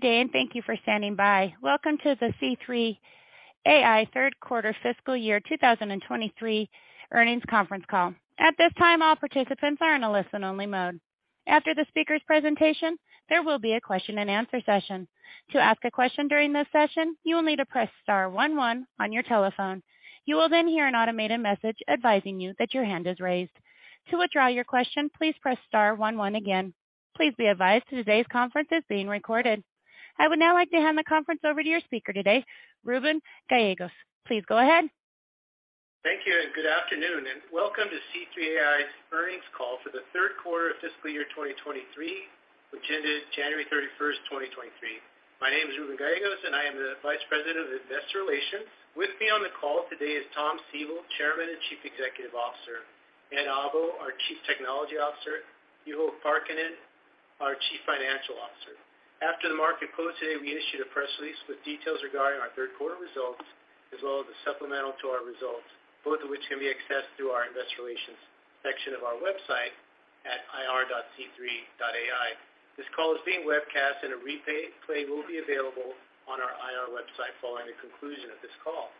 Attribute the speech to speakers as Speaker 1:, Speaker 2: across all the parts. Speaker 1: Good day, and thank you for standing by. Welcome to the C3.ai third quarter fiscal year 2023 earnings conference call. At this time, all participants are in a listen-only mode. After the speaker's presentation, there will be a question-and-answer session. To ask a question during this session, you will need to press star one one on your telephone. You will then hear an automated message advising you that your hand is raised. To withdraw your question, please press star one one again. Please be advised today's conference is being recorded. I would now like to hand the conference over to your speaker today, Reuben Gallegos. Please go ahead.
Speaker 2: Thank you, good afternoon, and welcome to C3.ai's earnings call for the third quarter of fiscal year 2023, which ended January 31, 2023. My name is Reuben Gallegos, I am the Vice President of Investor Relations. With me on the call today is Tom Siebel, Chairman and Chief Executive Officer, Ed Abbo, our Chief Technology Officer, Juho Parkkinen, our Chief Financial Officer. After the market closed today, we issued a press release with details regarding our third quarter results, as well as a supplemental to our results, both of which can be accessed through our investor relations section of our website at ir.c3.ai. This call is being webcast and a replay will be available on our IR website following the conclusion of this call.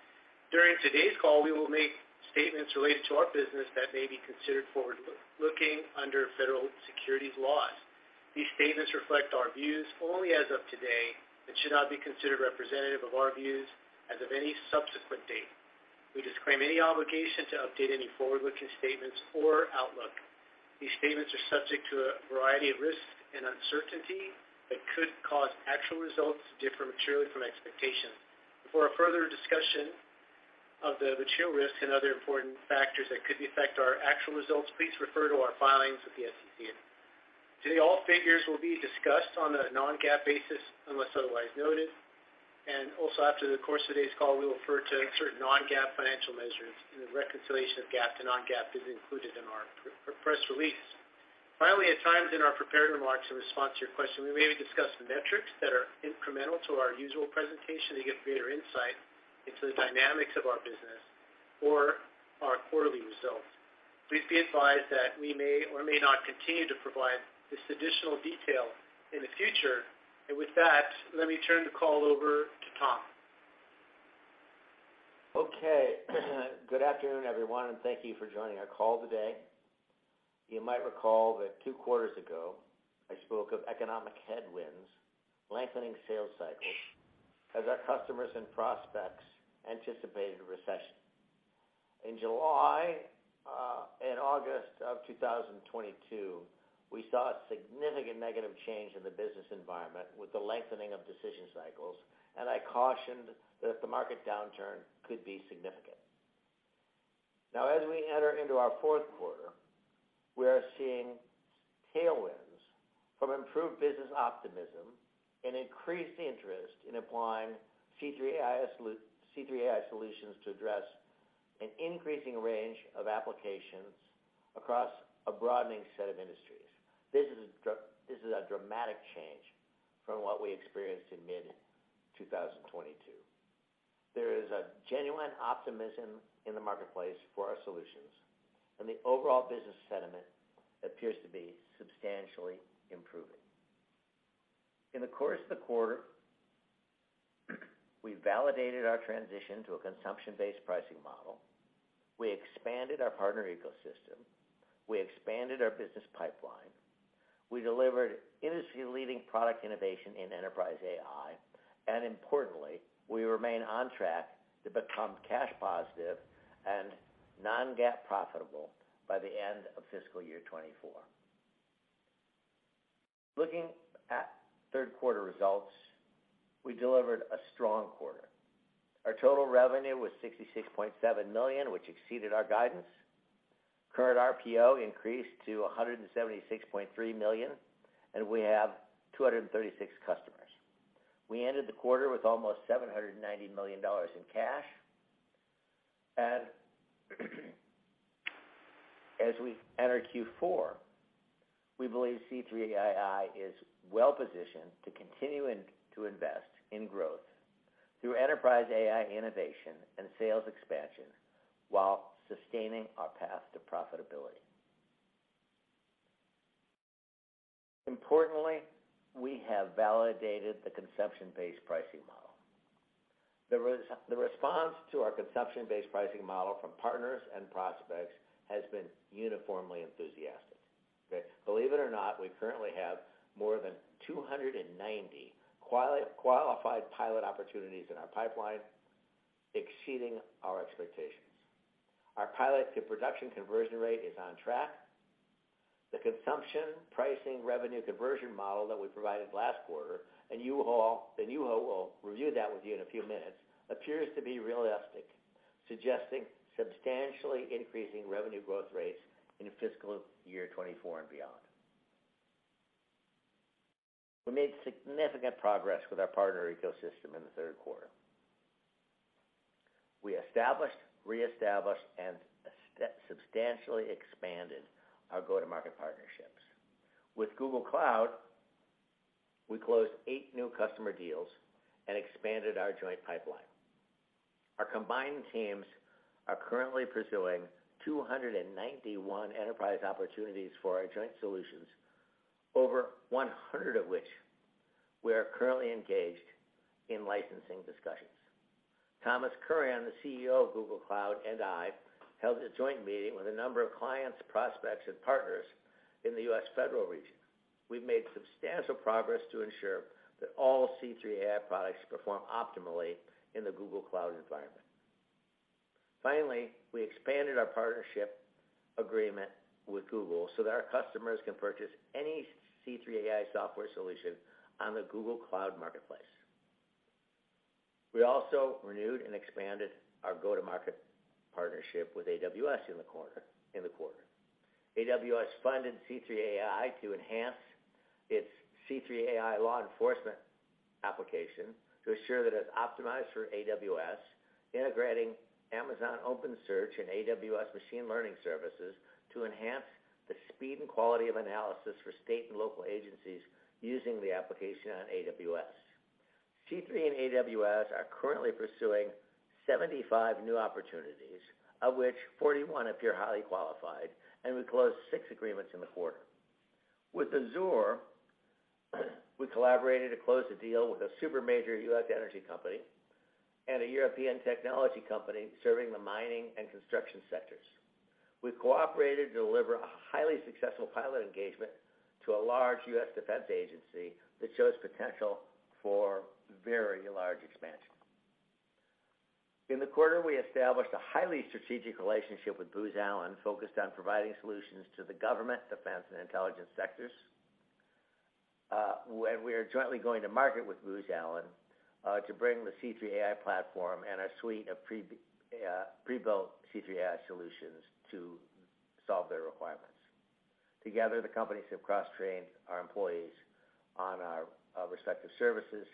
Speaker 2: During today's call, we will make statements related to our business that may be considered forward-looking under Federal Securities laws. These statements reflect our views only as of today and should not be considered representative of our views as of any subsequent date. We disclaim any obligation to update any forward-looking statements or outlook. These statements are subject to a variety of risks and uncertainty that could cause actual results to differ materially from expectations. For a further discussion of the material risks and other important factors that could affect our actual results, please refer to our filings with the SEC. Today, all figures will be discussed on a non-GAAP basis unless otherwise noted. Also after the course of today's call, we refer to certain non-GAAP financial measures, and the reconciliation of GAAP to non-GAAP is included in our press release. Finally, at times in our prepared remarks, in response to your question, we may discuss the metrics that are incremental to our usual presentation to give greater insight into the dynamics of our business or our quarterly results. Please be advised that we may or may not continue to provide this additional detail in the future. With that, let me turn the call over to Tom.
Speaker 3: Okay. Good afternoon, everyone, and thank you for joining our call today. You might recall that two quarters ago, I spoke of economic headwinds, lengthening sales cycles as our customers and prospects anticipated a recession. In July and August of 2022, we saw a significant negative change in the business environment with the lengthening of decision cycles, and I cautioned that the market downturn could be significant. Now, as we enter into our 4th quarter, we are seeing tailwinds from improved business optimism and increased interest in applying C3.ai solutions to address an increasing range of applications across a broadening set of industries. This is a dramatic change from what we experienced in mid-2022. There is a genuine optimism in the marketplace for our solutions, and the overall business sentiment appears to be substantially improving. In the course of the quarter, we validated our transition to a consumption-based pricing model. We expanded our partner ecosystem. We expanded our business pipeline. We delivered industry-leading product innovation in enterprise AI. Importantly, we remain on track to become cash positive and non-GAAP profitable by the end of fiscal year 2024. Looking at third quarter results, we delivered a strong quarter. Our total revenue was $66.7 million, which exceeded our guidance. Current RPO increased to $176.3 million, and we have 236 customers. We ended the quarter with almost $790 million in cash. As we enter Q4, we believe C3.ai is well-positioned to continue to invest in growth through enterprise AI innovation and sales expansion while sustaining our path to profitability. Importantly, we have validated the consumption-based pricing model. The response to our consumption-based pricing model from partners and prospects has been uniformly enthusiastic. Okay. Believe it or not, we currently have more than 290 qualified pilot opportunities in our pipeline, exceeding our expectations. Our pilot-to-production conversion rate is on track. The consumption pricing revenue conversion model that we provided last quarter, and Juho will review that with you in a few minutes, appears to be realistic, suggesting substantially increasing revenue growth rates in fiscal year 2024 and beyond. We made significant progress with our partner ecosystem in the 3rd quarter. We established, reestablished, and substantially expanded our go-to-market partnerships. With Google Cloud, we closed eight new customer deals and expanded our joint pipeline. Our combined teams are currently pursuing 291 enterprise opportunities for our joint solutions, over 100 of which we are currently engaged in licensing discussions. Thomas Kurian, on the CEO of Google Cloud, and I held a joint meeting with a number of clients, prospects, and partners in the U.S. Federal region. We've made substantial progress to ensure that all C3.ai products perform optimally in the Google Cloud environment. We expanded our partnership agreement with Google so that our customers can purchase any C3.ai software solution on the Google Cloud Marketplace. We also renewed and expanded our go-to-market partnership with AWS in the quarter. AWS funded C3.ai to enhance its C3 AI Law Enforcement application to ensure that it's optimized for AWS, integrating Amazon OpenSearch and AWS machine learning services to enhance the speed and quality of analysis for state and local agencies using the application on AWS. C3.ai and AWS are currently pursuing 75 new opportunities, of which 41 appear highly qualified, and we closed 6 agreements in the quarter. With Azure, we collaborated to close the deal with a super major U.S. energy company and a European technology company serving the mining and construction sectors. We've cooperated to deliver a highly successful pilot engagement to a large U.S. defense agency that shows potential for very large expansion. In the quarter, we established a highly strategic relationship with Booz Allen, focused on providing solutions to the government, defense, and intelligence sectors. We are jointly going to market with Booz Allen to bring the C3 AI Platform and our suite of prebuilt C3 AI solutions to solve their requirements. Together, the companies have cross-trained our employees on our respective services.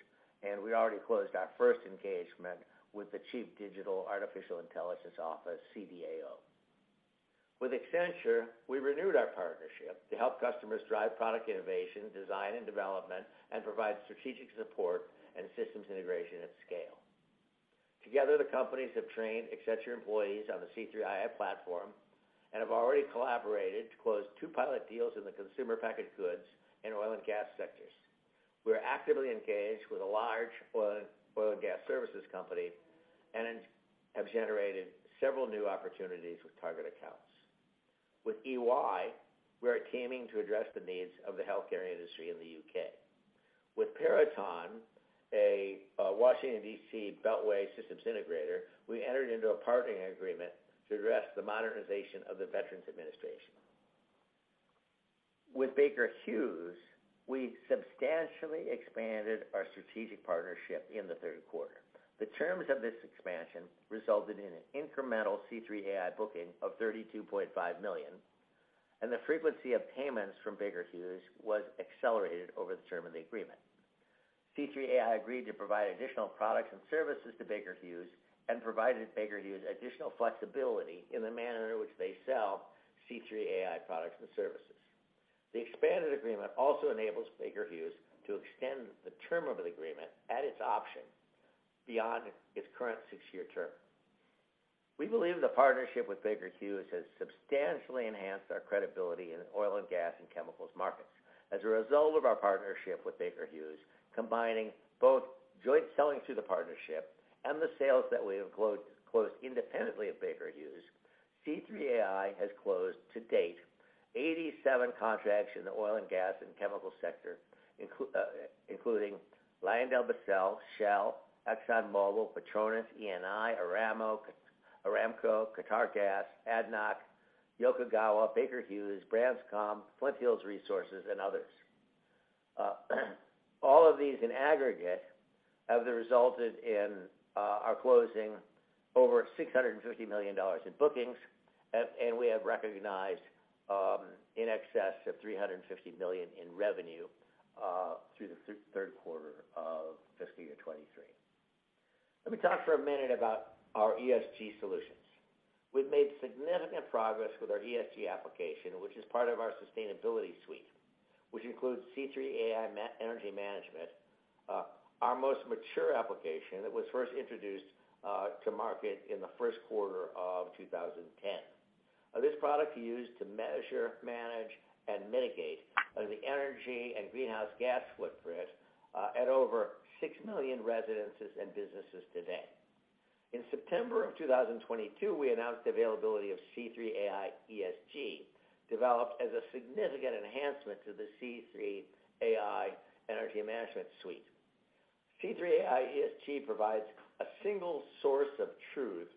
Speaker 3: We already closed our first engagement with the Chief Digital Artificial Intelligence Office, CDAO. With Accenture, we renewed our partnership to help customers drive product innovation, design, and development, and provide strategic support and systems integration at scale. Together, the companies have trained Accenture employees on the C3 AI Platform and have already collaborated to close two pilot deals in the consumer packaged goods and oil and gas sectors. We are actively engaged with a large oil and gas services company and have generated several new opportunities with target accounts. With EY, we are teaming to address the needs of the healthcare industry in the U.K. With Peraton, a Washington DC. Beltway systems integrator, we entered into a partnering agreement to address the modernization of the Veterans Administration. With Baker Hughes, we substantially expanded our strategic partnership in the third quarter. The terms of this expansion resulted in an incremental C3.ai booking of $32.5 million, and the frequency of payments from Baker Hughes was accelerated over the term of the agreement. C3.ai agreed to provide additional products and services to Baker Hughes and provided Baker Hughes additional flexibility in the manner in which they sell C3.ai products and services. The expanded agreement also enables Baker Hughes to extend the term of the agreement at its option beyond its current six-year term. We believe the partnership with Baker Hughes has substantially enhanced our credibility in oil and gas and chemicals markets. As a result of our partnership with Baker Hughes, combining both joint selling through the partnership and the sales that we have closed independently at Baker Hughes, C3.ai has closed to date 87 contracts in the oil and gas and chemical sector, including LyondellBasell, Shell, ExxonMobil, PETRONAS, Eni, Aramco, Qatargas, ADNOC, Yokogawa, Baker Hughes, Braskem, Flint Hills Resources, and others. All of these in aggregate have resulted in our closing over $650 million in bookings, and we have recognized in excess of $350 million in revenue through the third quarter of fiscal year 2023. Let me talk for a minute about our ESG solutions. We've made significant progress with our ESG application, which is part of our sustainability suite, which includes C3 AI Energy Management, our most mature application that was first introduced to market in the first quarter of 2010. This product used to measure, manage, and mitigate the energy and greenhouse gas footprint at over 6 million residences and businesses today. In September 2022, we announced availability of C3 AI ESG, developed as a significant enhancement to the C3 AI Energy Management suite. C3 AI ESG provides a single source of truth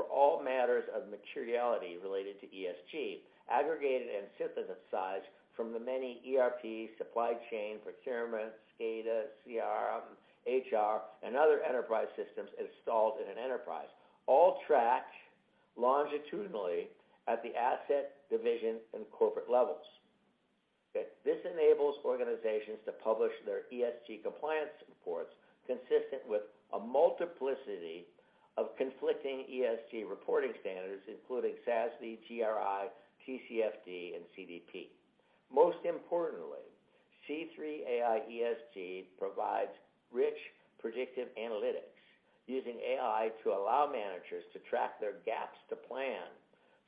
Speaker 3: for all matters of materiality related to ESG, aggregated and synthesized from the many ERP, Supply Chain, Procurement, SCADA, CRM, HR, and other enterprise systems installed in an enterprise, all tracked longitudinally at the asset, division, and corporate levels. This enables organizations to publish their ESG compliance reports consistent with a multiplicity of conflicting ESG reporting standards, including SASB, GRI, TCFD, and CDP. Most importantly, C3 AI ESG provides rich predictive analytics using AI to allow managers to track their gaps to plan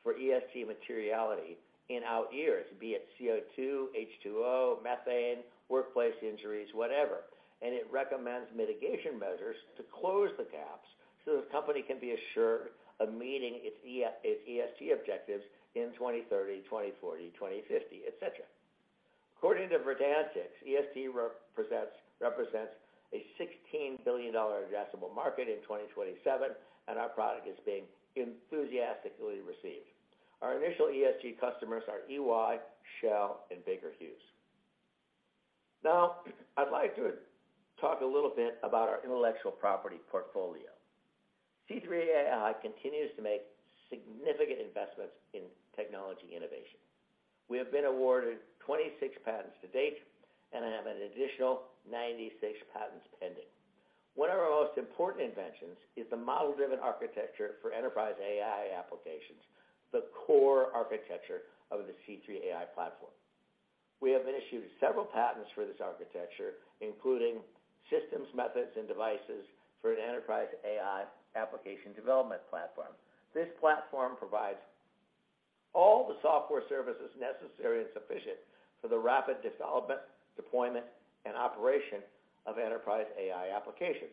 Speaker 3: for ESG materiality in out years, be it CO2, H2O, methane, workplace injuries, whatever. It recommends mitigation measures to close the gaps so the company can be assured of meeting its ESG objectives in 2030, 2040, 2050, et cetera. According to Verdantix, ESG represents a $16 billion addressable market in 2027. Our product is being enthusiastically received. Our initial ESG customers are EY, Shell, and Baker Hughes. I'd like to talk a little bit about our intellectual property portfolio. C3 AI continues to make significant investments in technology innovation. We have been awarded 26 patents to date, and have an additional 96 patents pending. One of our most important inventions is the model-driven architecture for enterprise AI applications, the core architecture of the C3 AI Platform. We have issued several patents for this architecture, including systems, methods, and devices for an enterprise AI application development platform. This Platform provides all the software services necessary and sufficient for the rapid development, deployment, and operation of enterprise AI applications.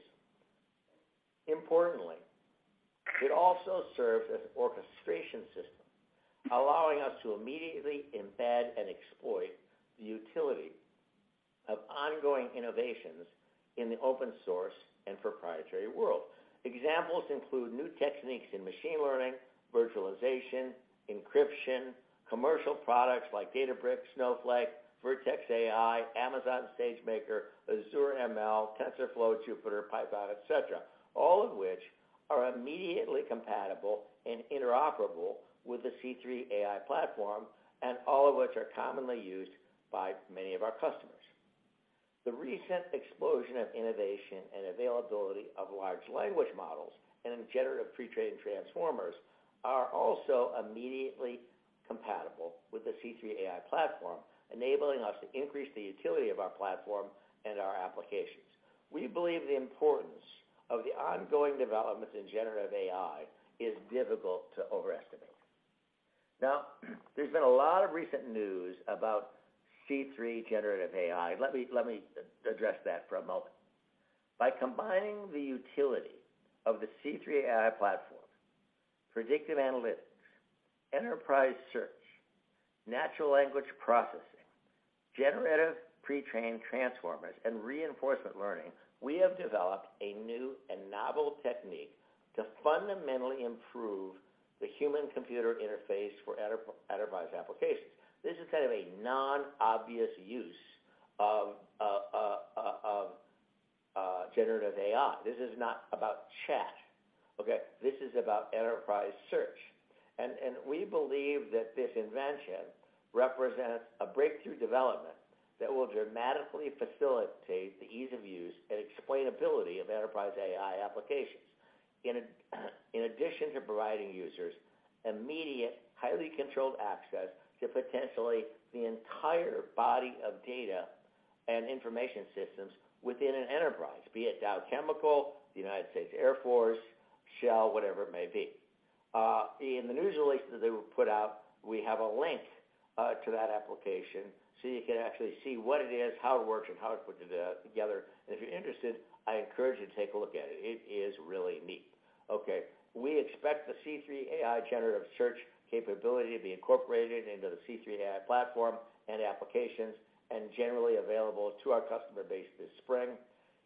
Speaker 3: Importantly, it also serves as orchestration system, allowing us to immediately embed and exploit the utility of ongoing innovations in the open source and proprietary world. Examples include new techniques in machine learning, virtualization, encryption, commercial products like Databricks, Snowflake, Vertex AI, Amazon SageMaker, Azure ML, TensorFlow, Jupyter, Python, et cetera. All of which are immediately compatible and interoperable with the C3 AI Platform, and all of which are commonly used by many of our customers. The recent explosion of innovation and availability of large language models and generative pre-trained transformers are also immediately compatible with the C3 AI Platform, enabling us to increase the utility of our Platform and our applications. We believe the importance of the ongoing developments in generative AI is difficult to overestimate. There's been a lot of recent news about C3 Generative AI. Let me address that for a moment. By combining the utility of the C3 AI Platform, predictive analytics, enterprise search, natural language processing, generative pre-trained transformers, and reinforcement learning, we have developed a new and novel technique to fundamentally improve the human computer interface for enterprise applications. This is kind of a non-obvious use of generative AI. This is not about chat, okay? This is about enterprise search. We believe that this invention represents a breakthrough development that will dramatically facilitate the ease of use and explainability of enterprise AI applications in addition to providing users immediate, highly controlled access to potentially the entire body of data and information systems within an enterprise, be it Dow Chemical, the United States Air Force, Shell, whatever it may be. In the news release that they put out, we have a link to that application, so you can actually see what it is, how it works, and how to put it together. If you're interested, I encourage you to take a look at it. It is really neat. Okay, we expect the C3 AI Generative search capability to be incorporated into the C3 AI Platform and applications, and generally available to our customer base this spring.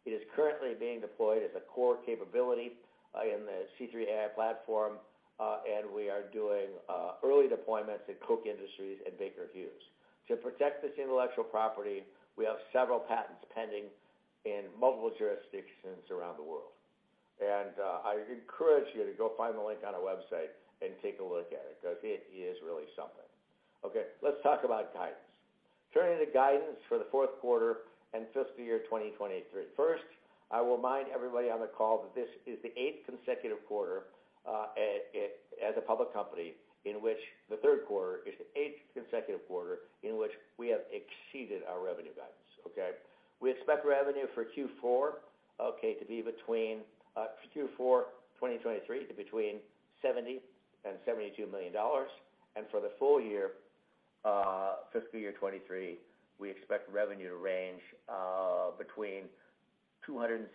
Speaker 3: It is currently being deployed as a core capability in the C3 AI Platform. We are doing early deployments at Koch Industries and Baker Hughes. To protect this intellectual property, we have several patents pending in multiple jurisdictions around the world. I encourage you to go find the link on our website and take a look at it, 'cause it is really something. Okay, let's talk about guidance. Turning to guidance for the fourth quarter and fiscal year 2023. First, I will remind everybody on the call that this is the eighth consecutive quarter, as a public company, in which the third quarter is the eighth consecutive quarter in which we have exceeded our revenue guidance, okay? We expect revenue for Q4, okay, to be between Q4 2023 to between $70 million and $72 million. For the full year fiscal year 2023, we expect revenue to range between $264 million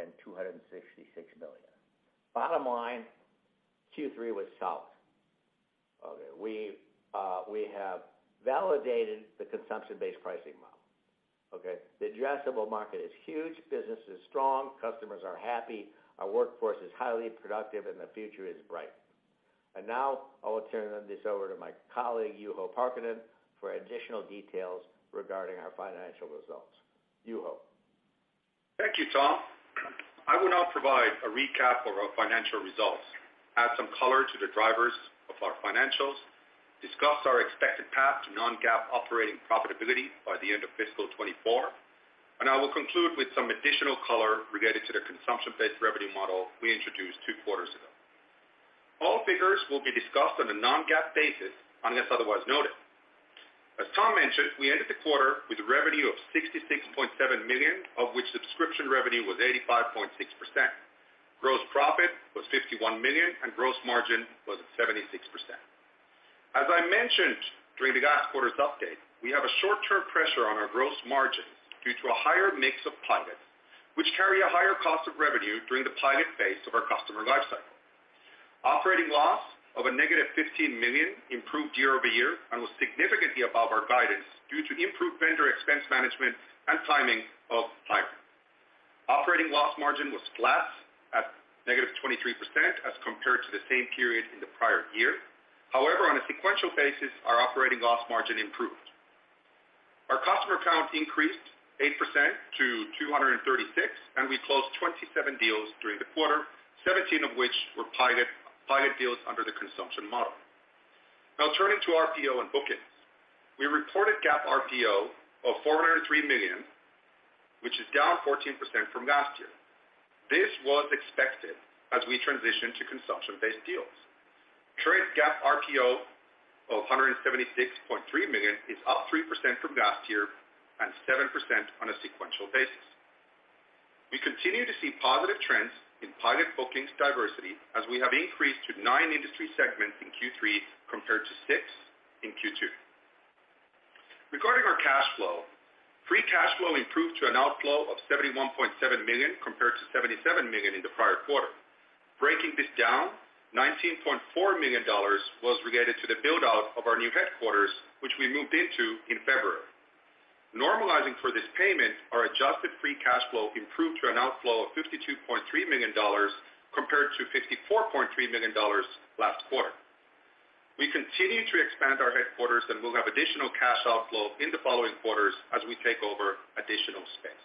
Speaker 3: and $266 million. Bottom line, Q3 was solid. Okay, we have validated the consumption-based pricing model, okay? The addressable market is huge, business is strong, customers are happy, our workforce is highly productive, and the future is bright. Now I will turn this over to my colleague, Juho Parkkinen, for additional details regarding our financial results. Juho.
Speaker 4: Thank you, Tom. I will now provide a recap of our financial results, add some color to the drivers of our financials, discuss our expected path to non-GAAP operating profitability by the end of fiscal 2024, and I will conclude with some additional color related to the consumption-based revenue model we introduced two quarters ago. All figures will be discussed on a non-GAAP basis unless otherwise noted. As Tom mentioned, we ended the quarter with revenue of $66.7 million, of which subscription revenue was 85.6%. Gross profit was $51 million and gross margin was 76%. As I mentioned during the last quarter's update, we have a short-term pressure on our gross margins due to a higher mix of pilots, which carry a higher cost of revenue during the pilot phase of our customer lifecycle. Operating loss of -$15 million improved year-over-year and was significantly above our guidance due to improved vendor expense management and timing of pilots. Operating loss margin was flat at -23% as compared to the same period in the prior year. However, on a sequential basis, our operating loss margin improved. Our customer count increased 8% to 236, and we closed 27 deals during the quarter, 17 of which were pilot deals under the consumption model. Turning to RPO and bookings. We reported GAAP RPO of $403 million, which is down 14% from last year. This was expected as we transition to consumption-based deals. Trade GAAP RPO of $176.3 million is up 3% from last year and 7% on a sequential basis. We continue to see positive trends in pilot bookings diversity, as we have increased to nine industry segments in Q3 compared to six in Q2. Regarding our cash flow, free cash flow improved to an outflow of $71.7 million compared to $77 million in the prior quarter. Breaking this down, $19.4 million was related to the build-out of our new headquarters, which we moved into in February. Normalizing for this payment, our adjusted free cash flow improved to an outflow of $52.3 million compared to $54.3 million last quarter. We continue to expand our headquarters and will have additional cash outflow in the following quarters as we take over additional space.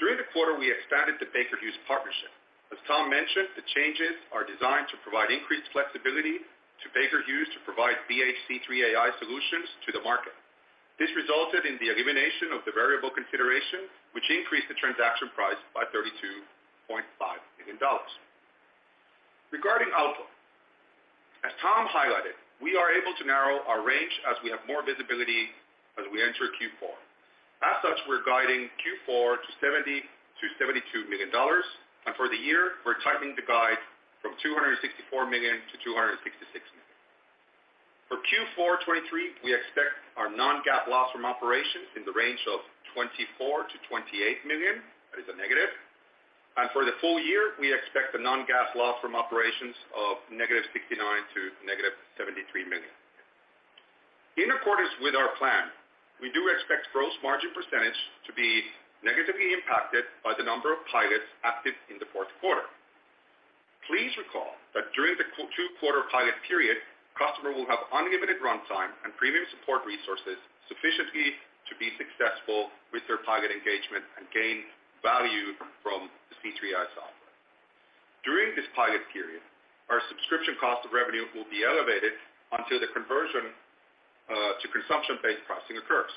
Speaker 4: During the quarter, we expanded the Baker Hughes partnership. As Tom mentioned, the changes are designed to provide increased flexibility to Baker Hughes to provide BHC3 AI solutions to the market. This resulted in the elimination of the variable consideration, which increased the transaction price by $32.5 million. Regarding outlook, as Tom highlighted, we are able to narrow our range as we have more visibility as we enter Q4. As such, we're guiding Q4 to $70 million-$72 million, for the year, we're tightening the guide from $264 million-$266 million. For Q4 2023, we expect our non-GAAP loss from operations in the range of $24 million-$28 million. That is a negative. For the full year, we expect a non-GAAP loss from operations of -$69 million to -$73 million. In accordance with our plan, we do expect gross margin percentage to be negatively impacted by the number of pilots active in the fourth quarter. Please recall that during the two-quarter pilot period, customer will have unlimited runtime and premium support resources sufficiently to be successful with their pilot engagement and gain value from the C3 AI software. During this pilot period, our subscription cost of revenue will be elevated until the conversion to consumption-based pricing occurs.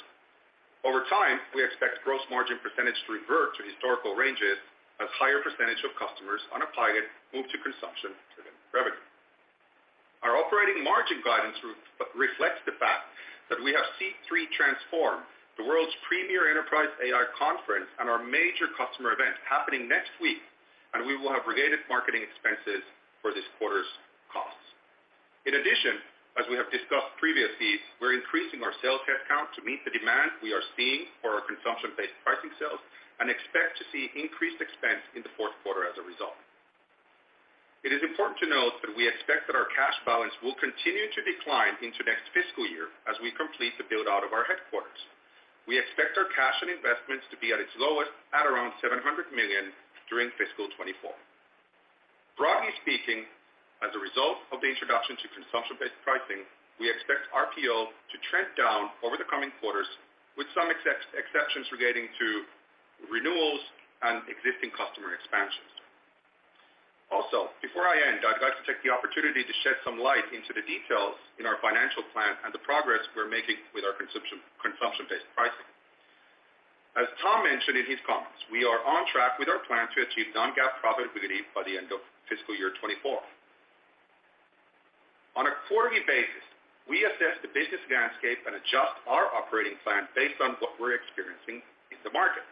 Speaker 4: Over time, we expect gross margin % to revert to historical ranges as higher percentage of customers on a pilot move to consumption to revenue. Our operating margin guidance re-reflects the fact that we have C3 Transform, the world's premier enterprise AI conference and our major customer event happening next week, we will have related marketing expenses for this quarter's costs. In addition, as we have discussed previously, we're increasing our sales headcount to meet the demand we are seeing for our consumption-based pricing sales and expect to see increased expense in the fourth quarter as a result. It is important to note that we expect that our cash balance will continue to decline into next fiscal year as we complete the build-out of our headquarters. We expect our cash and investments to be at its lowest at around $700 million during fiscal 2024. Broadly speaking, as a result of the introduction to consumption-based pricing, we expect RPO to trend down over the coming quarters, with some exceptions relating to renewals and existing customer expansions. Before I end, I'd like to take the opportunity to shed some light into the details in our financial plan and the progress we're making with our consumption-based pricing. As Tom mentioned in his comments, we are on track with our plan to achieve non-GAAP profitability by the end of fiscal year 2024. On a quarterly basis, we assess the business landscape and adjust our operating plan based on what we're experiencing in the market.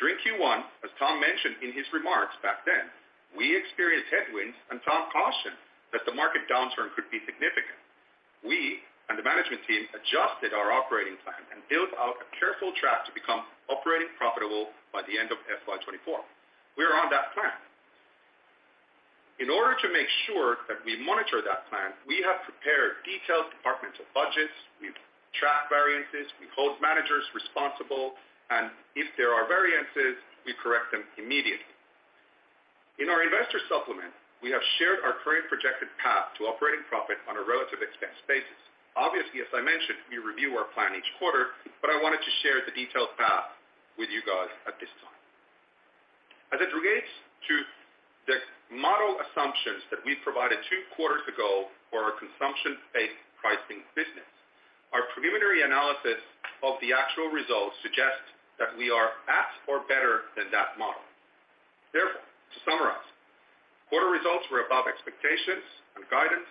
Speaker 4: During Q1, as Tom mentioned in his remarks back then, we experienced headwinds and Tom cautioned that the market downturn could be significant. We and the management team adjusted our operating plan and built out a careful track to become operating profitable by the end of FY 2024. We are on that plan. In order to make sure that we monitor that plan, we have prepared detailed departmental budgets. We track variances, we hold managers responsible, and if there are variances, we correct them immediately. In our investor supplement, we have shared our current projected path to operating profit on a relative expense basis. Obviously, as I mentioned, we review our plan each quarter, but I wanted to share the detailed path with you guys at this time. As it relates to the model assumptions that we provided two quarters ago for our consumption-based pricing business. Preliminary analysis of the actual results suggest that we are at or better than that model. Therefore, to summarize, quarter results were above expectations and guidance,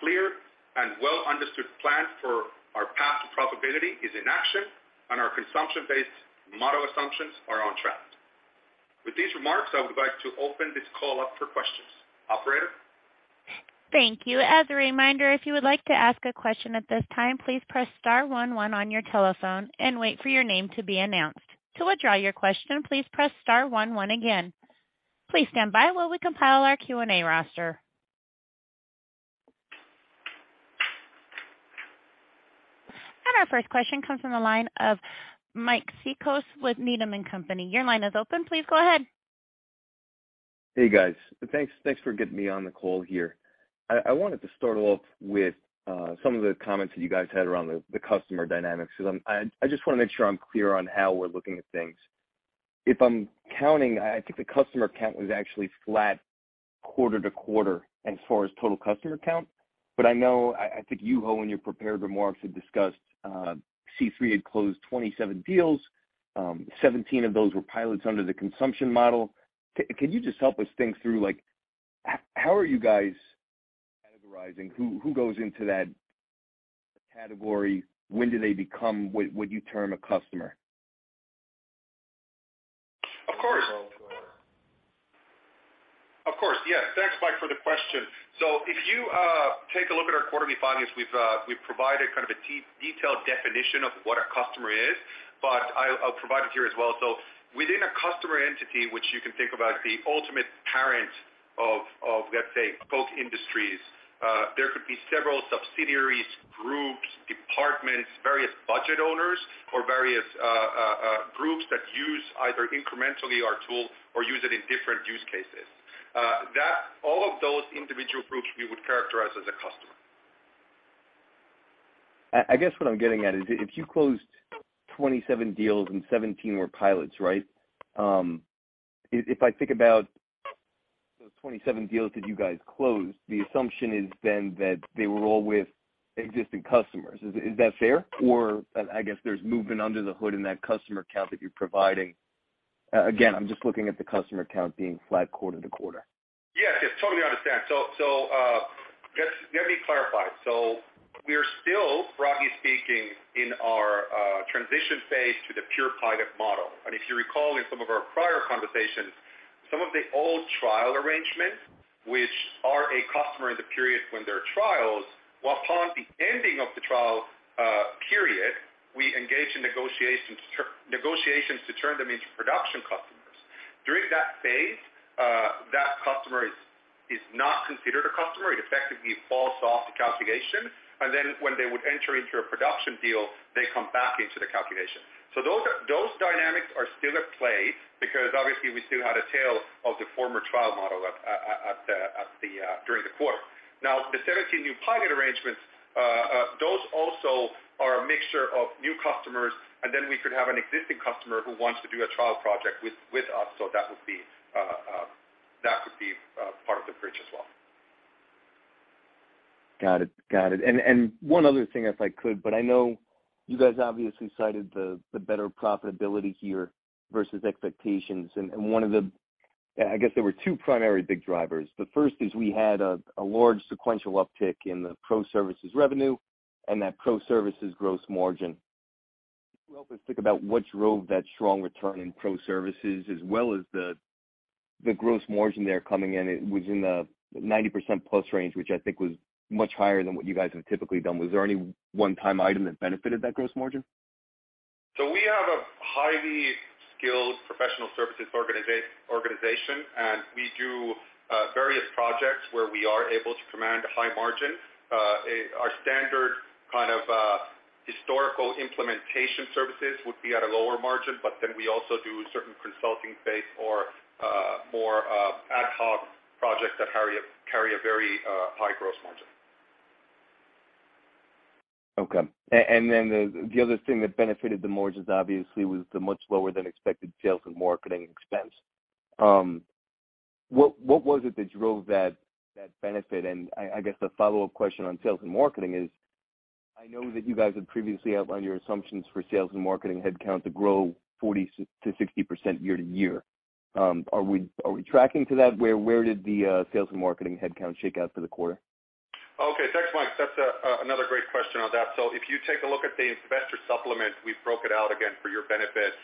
Speaker 4: clear and well understood plan for our path to profitability is in action, and our consumption-based model assumptions are on track. With these remarks, I would like to open this call up for questions. Operator?
Speaker 1: Thank you. As a reminder, if you would like to ask a question at this time, please press star one one on your telephone and wait for your name to be announced. To withdraw your question, please press star one one again. Please stand by while we compile our Q&A roster. Our first question comes from the line of Mike Cikos with Needham & Company. Your line is open. Please go ahead.
Speaker 5: Hey, guys. Thanks for getting me on the call here. I wanted to start off with some of the comments that you guys had around the customer dynamics, because I just wanna make sure I'm clear on how we're looking at things. If I'm counting, I think the customer count was actually flat quarter-to-quarter as far as total customer count. I know I think you all in your prepared remarks, have discussed C3.ai had closed 27 deals. 17 of those were pilots under the consumption model. Can you just help us think through like, how are you guys categorizing who goes into that category? When do they become what you term a customer?
Speaker 4: Of course. Of course. Yes. Thanks, Mike, for the question. If you take a look at our quarterly filings, we've provided kind of a detailed definition of what a customer is, but I'll provide it here as well. Within a customer entity, which you can think about the ultimate parent of, let's say, Koch Industries, there could be several subsidiaries, groups, departments, various budget owners or various groups that use either incrementally our tool or use it in different use cases. All of those individual groups we would characterize as a customer.
Speaker 5: I guess what I'm getting at is if you closed 27 deals and 17 were pilots, right? If I think about those 27 deals that you guys closed, the assumption is then that they were all with existing customers. Is that fair? Or I guess there's movement under the hood in that customer count that you're providing. Again, I'm just looking at the customer count being flat quarter to quarter.
Speaker 4: Yes. Yes. Totally understand. Let me clarify. We are still, broadly speaking, in our transition phase to the pure pilot model. If you recall in some of our prior conversations, some of the old trial arrangements which are a customer in the period when they're trials, while upon the ending of the trial period, we engage in negotiations to turn them into production customers. During that phase, that customer is not considered a customer. It effectively falls off the calculation. Then when they would enter into a production deal, they come back into the calculation. Those dynamics are still at play because obviously we still had a tail of the former trial model at the during the quarter. The 17 new pilot arrangements, those also are a mixture of new customers. We could have an existing customer who wants to do a trial project with us. That would be, that would be part of the bridge as well.
Speaker 5: Got it. Got it. One other thing if I could, I know you guys obviously cited the better profitability here versus expectations. I guess there were two primary big drivers. The first is we had a large sequential uptick in the pro services revenue, and that pro services gross margin. Can you help us think about what drove that strong return in pro services as well as the gross margin there coming in? It was in the 90% plus range, which I think was much higher than what you guys have typically done. Was there any one-time item that benefited that gross margin?
Speaker 4: We have a highly skilled professional services organization, and we do various projects where we are able to command a high margin. Our standard kind of historical implementation services would be at a lower margin, but then we also do certain consulting based or more ad hoc projects that carry a very high gross margin.
Speaker 5: Okay. Then the other thing that benefited the margins obviously was the much lower than expected sales and marketing expense. What was it that drove that benefit? I guess the follow-up question on sales and marketing is, I know that you guys had previously outlined your assumptions for sales and marketing headcount to grow 40%-60% year-to-year. Are we tracking to that? Where did the sales and marketing headcount shake out for the quarter?
Speaker 4: Okay. Thanks, Mike. That's another great question on that. If you take a look at the investor supplement, we broke it out again for your benefit,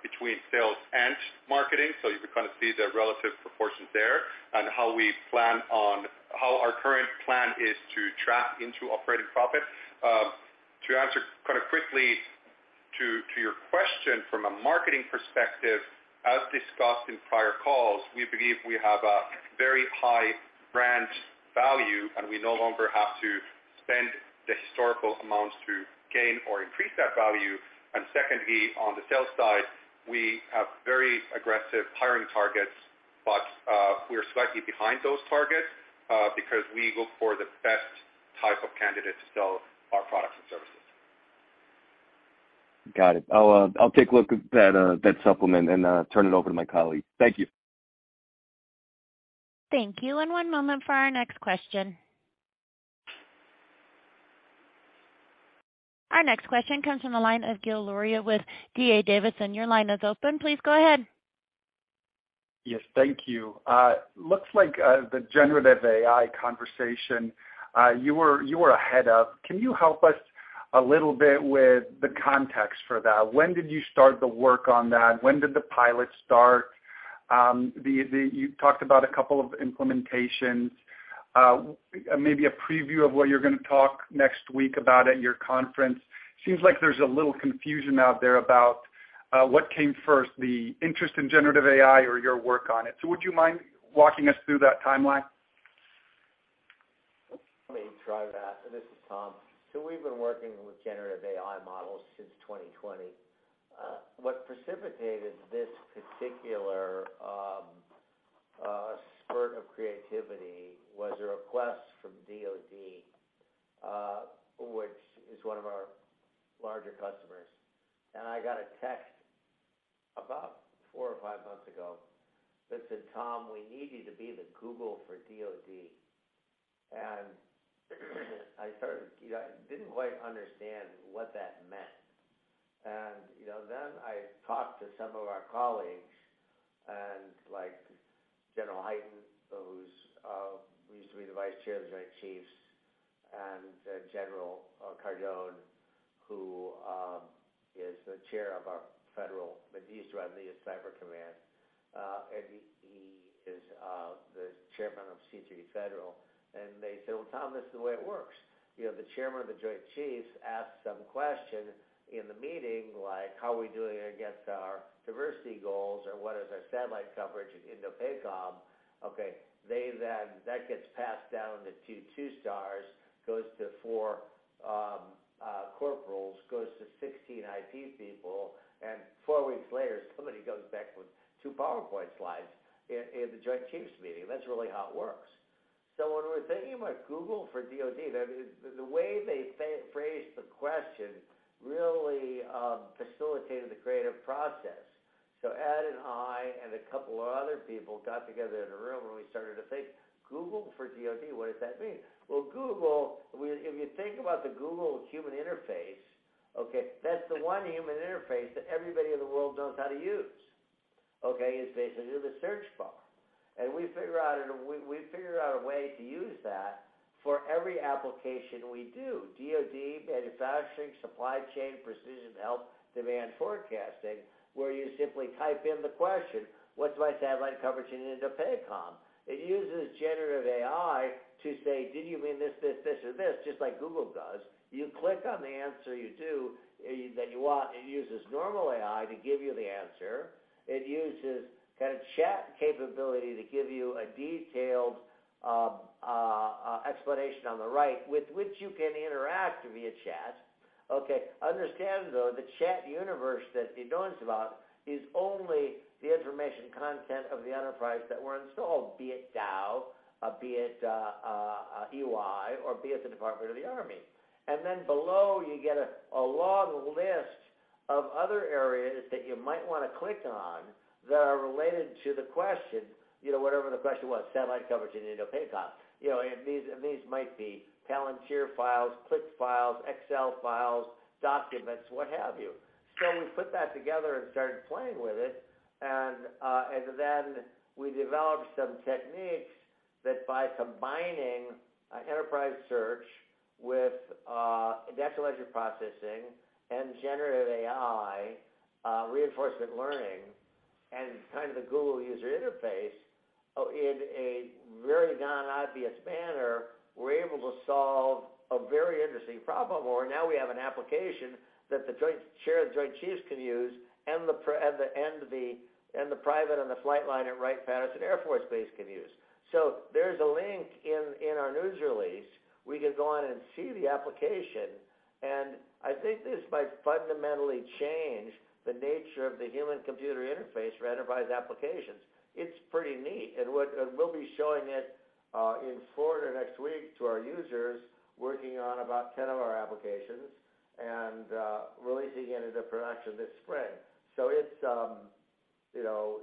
Speaker 4: between sales and marketing. You can kind of see the relative proportions there and how our current plan is to track into operating profit. To answer kind of quickly to your question, from a marketing perspective, as discussed in prior calls, we believe we have a very high brand value, and we no longer have to spend the historical amounts to gain or increase that value. Secondly, on the sales side, we have very aggressive hiring targets, but we are slightly behind those targets because we look for the best type of candidate to sell our products and services.
Speaker 5: Got it. I'll take a look at that supplement and turn it over to my colleagues. Thank you.
Speaker 1: Thank you. One moment for our next question. Our next question comes from the line of Gil Luria with D.A. Davidson. Your line is open. Please go ahead.
Speaker 6: Yes, thank you. looks like, the generative AI conversation, you were ahead of. Can you help us a little bit with the context for that? When did you start the work on that? When did the pilot start? The, you talked about a couple of implementations, maybe a preview of what you're gonna talk next week about at your conference. Seems like there's a little confusion out there about, what came first, the interest in generative AI or your work on it. Would you mind walking us through that timeline?
Speaker 3: Let me try that. This is Tom. We've been working with generative AI models since 2020. What precipitated this particular spurt of creativity was a request from DoD, which is one of our larger customers. I got a text about four or five months ago that said, "Tom, we need you to be the Google for DoD." I started, you know, I didn't quite understand what that meant. You know, then I talked to some of our colleagues and like General Hyten, who's used to be the Vice Chair of the Joint Chiefs, and General Cardon, who is the Chair of our Federal but he's runs the Cyber Command, and he is the Chairman of C3 Federal. They said, "Well, Tom, this is the way it works. You know, the Chairman of the Joint Chiefs asks some question in the meeting, like, how are we doing against our diversity goals, or what is our satellite coverage in INDOPACOM? Okay. That gets passed down to two stars, goes to four corporals, goes to 16 IT people, and four weeks later, somebody goes back with two PowerPoint slides in the Joint Chiefs meeting. That's really how it works. When we're thinking about Google for DoD, the way they phrased the question really facilitated the creative process. Ed and I and a couple of other people got together in a room, and we started to think, Google for DoD, what does that mean? Well, Google, if you think about the Google human interface, okay, that's the one human interface that everybody in the world knows how to use, okay, is basically the search bar. We figured out a way to use that for every application we do, DoD, manufacturing, supply chain, precision health, demand forecasting, where you simply type in the question, what's my satellite coverage in INDOPACOM? It uses generative AI to say, "Did you mean this, this, or this?" Just like Google does. You click on the answer that you want. It uses normal AI to give you the answer. It uses kind of chat capability to give you a detailed explanation on the right with which you can interact via chat. Okay. Understand, though, the chat universe that it knows about is only the information content of the enterprise that were installed, be it Dow, be it EY or be it the Department of the Army. Then below, you get a long list of other areas that you might wanna click on that are related to the question. You know, whatever the question was, satellite coverage in INDOPACOM. You know, and these, and these might be Palantir files, clicks files, Excel files, documents, what have you. We put that together and started playing with it. Then we developed some techniques that by combining, enterprise search with, natural language processing and generative AI, reinforcement learning and kind of the Google user interface in a very non-obvious manner, we're able to solve a very interesting problem, or now we have an application that the Chair of the Joint Chiefs can use and the private on the flight line at Wright-Patterson Air Force Base can use. There's a link in our news release. We can go on and see the application. I think this might fundamentally change the nature of the human computer interface for enterprise applications. It's pretty neat. We'll be showing it, in Florida next week to our users, working on about 10 of our applications and, releasing it into production this spring. you know,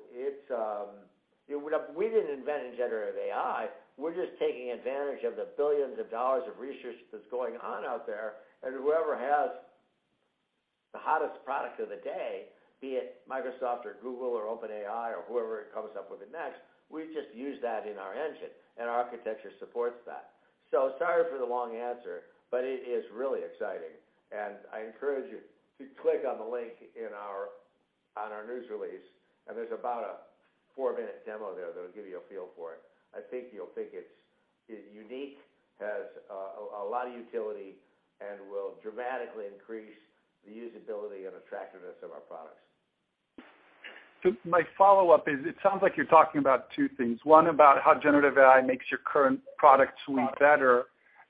Speaker 3: We didn't invent generative AI. We're just taking advantage of the billions of dollars of research that's going on out there. Whoever has the hottest product of the day, be it Microsoft or Google or OpenAI or whoever comes up with it next, we just use that in our engine, and our architecture supports that. Sorry for the long answer, but it is really exciting. I encourage you to click on the link on our news release, and there's about a four-minute demo there that'll give you a feel for it. I think you'll think it's unique, has a lot of utility and will dramatically increase the usability and attractiveness of our products.
Speaker 6: My follow-up is, it sounds like you're talking about two things. One, about how generative AI makes your current product suite better,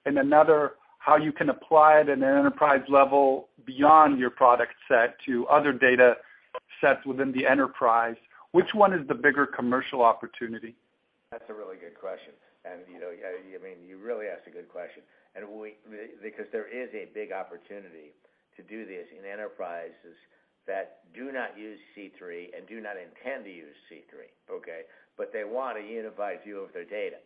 Speaker 6: and another, how you can apply it in an enterprise level beyond your product set to other data sets within the enterprise. Which one is the bigger commercial opportunity?
Speaker 3: That's a really good question. You know, yeah, I mean, you really asked a good question. Because there is a big opportunity to do this in enterprises that do not use C3 and do not intend to use C3, okay? They want a unified view of their data.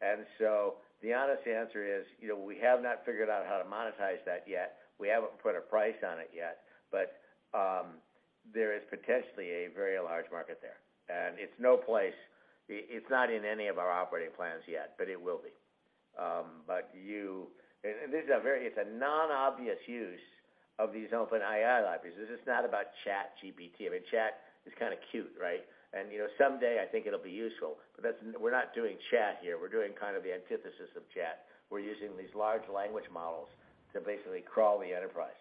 Speaker 3: The honest answer is, you know, we have not figured out how to monetize that yet. We haven't put a price on it yet, but there is potentially a very large market there, and it's not in any of our operating plans yet, but it will be. This is a non-obvious use of these OpenAI libraries. This is not about ChatGPT. I mean, chat is kinda cute, right? You know, someday, I think it'll be useful. We're not doing chat here. We're doing kind of the antithesis of chat. We're using these large language models to basically crawl the enterprise.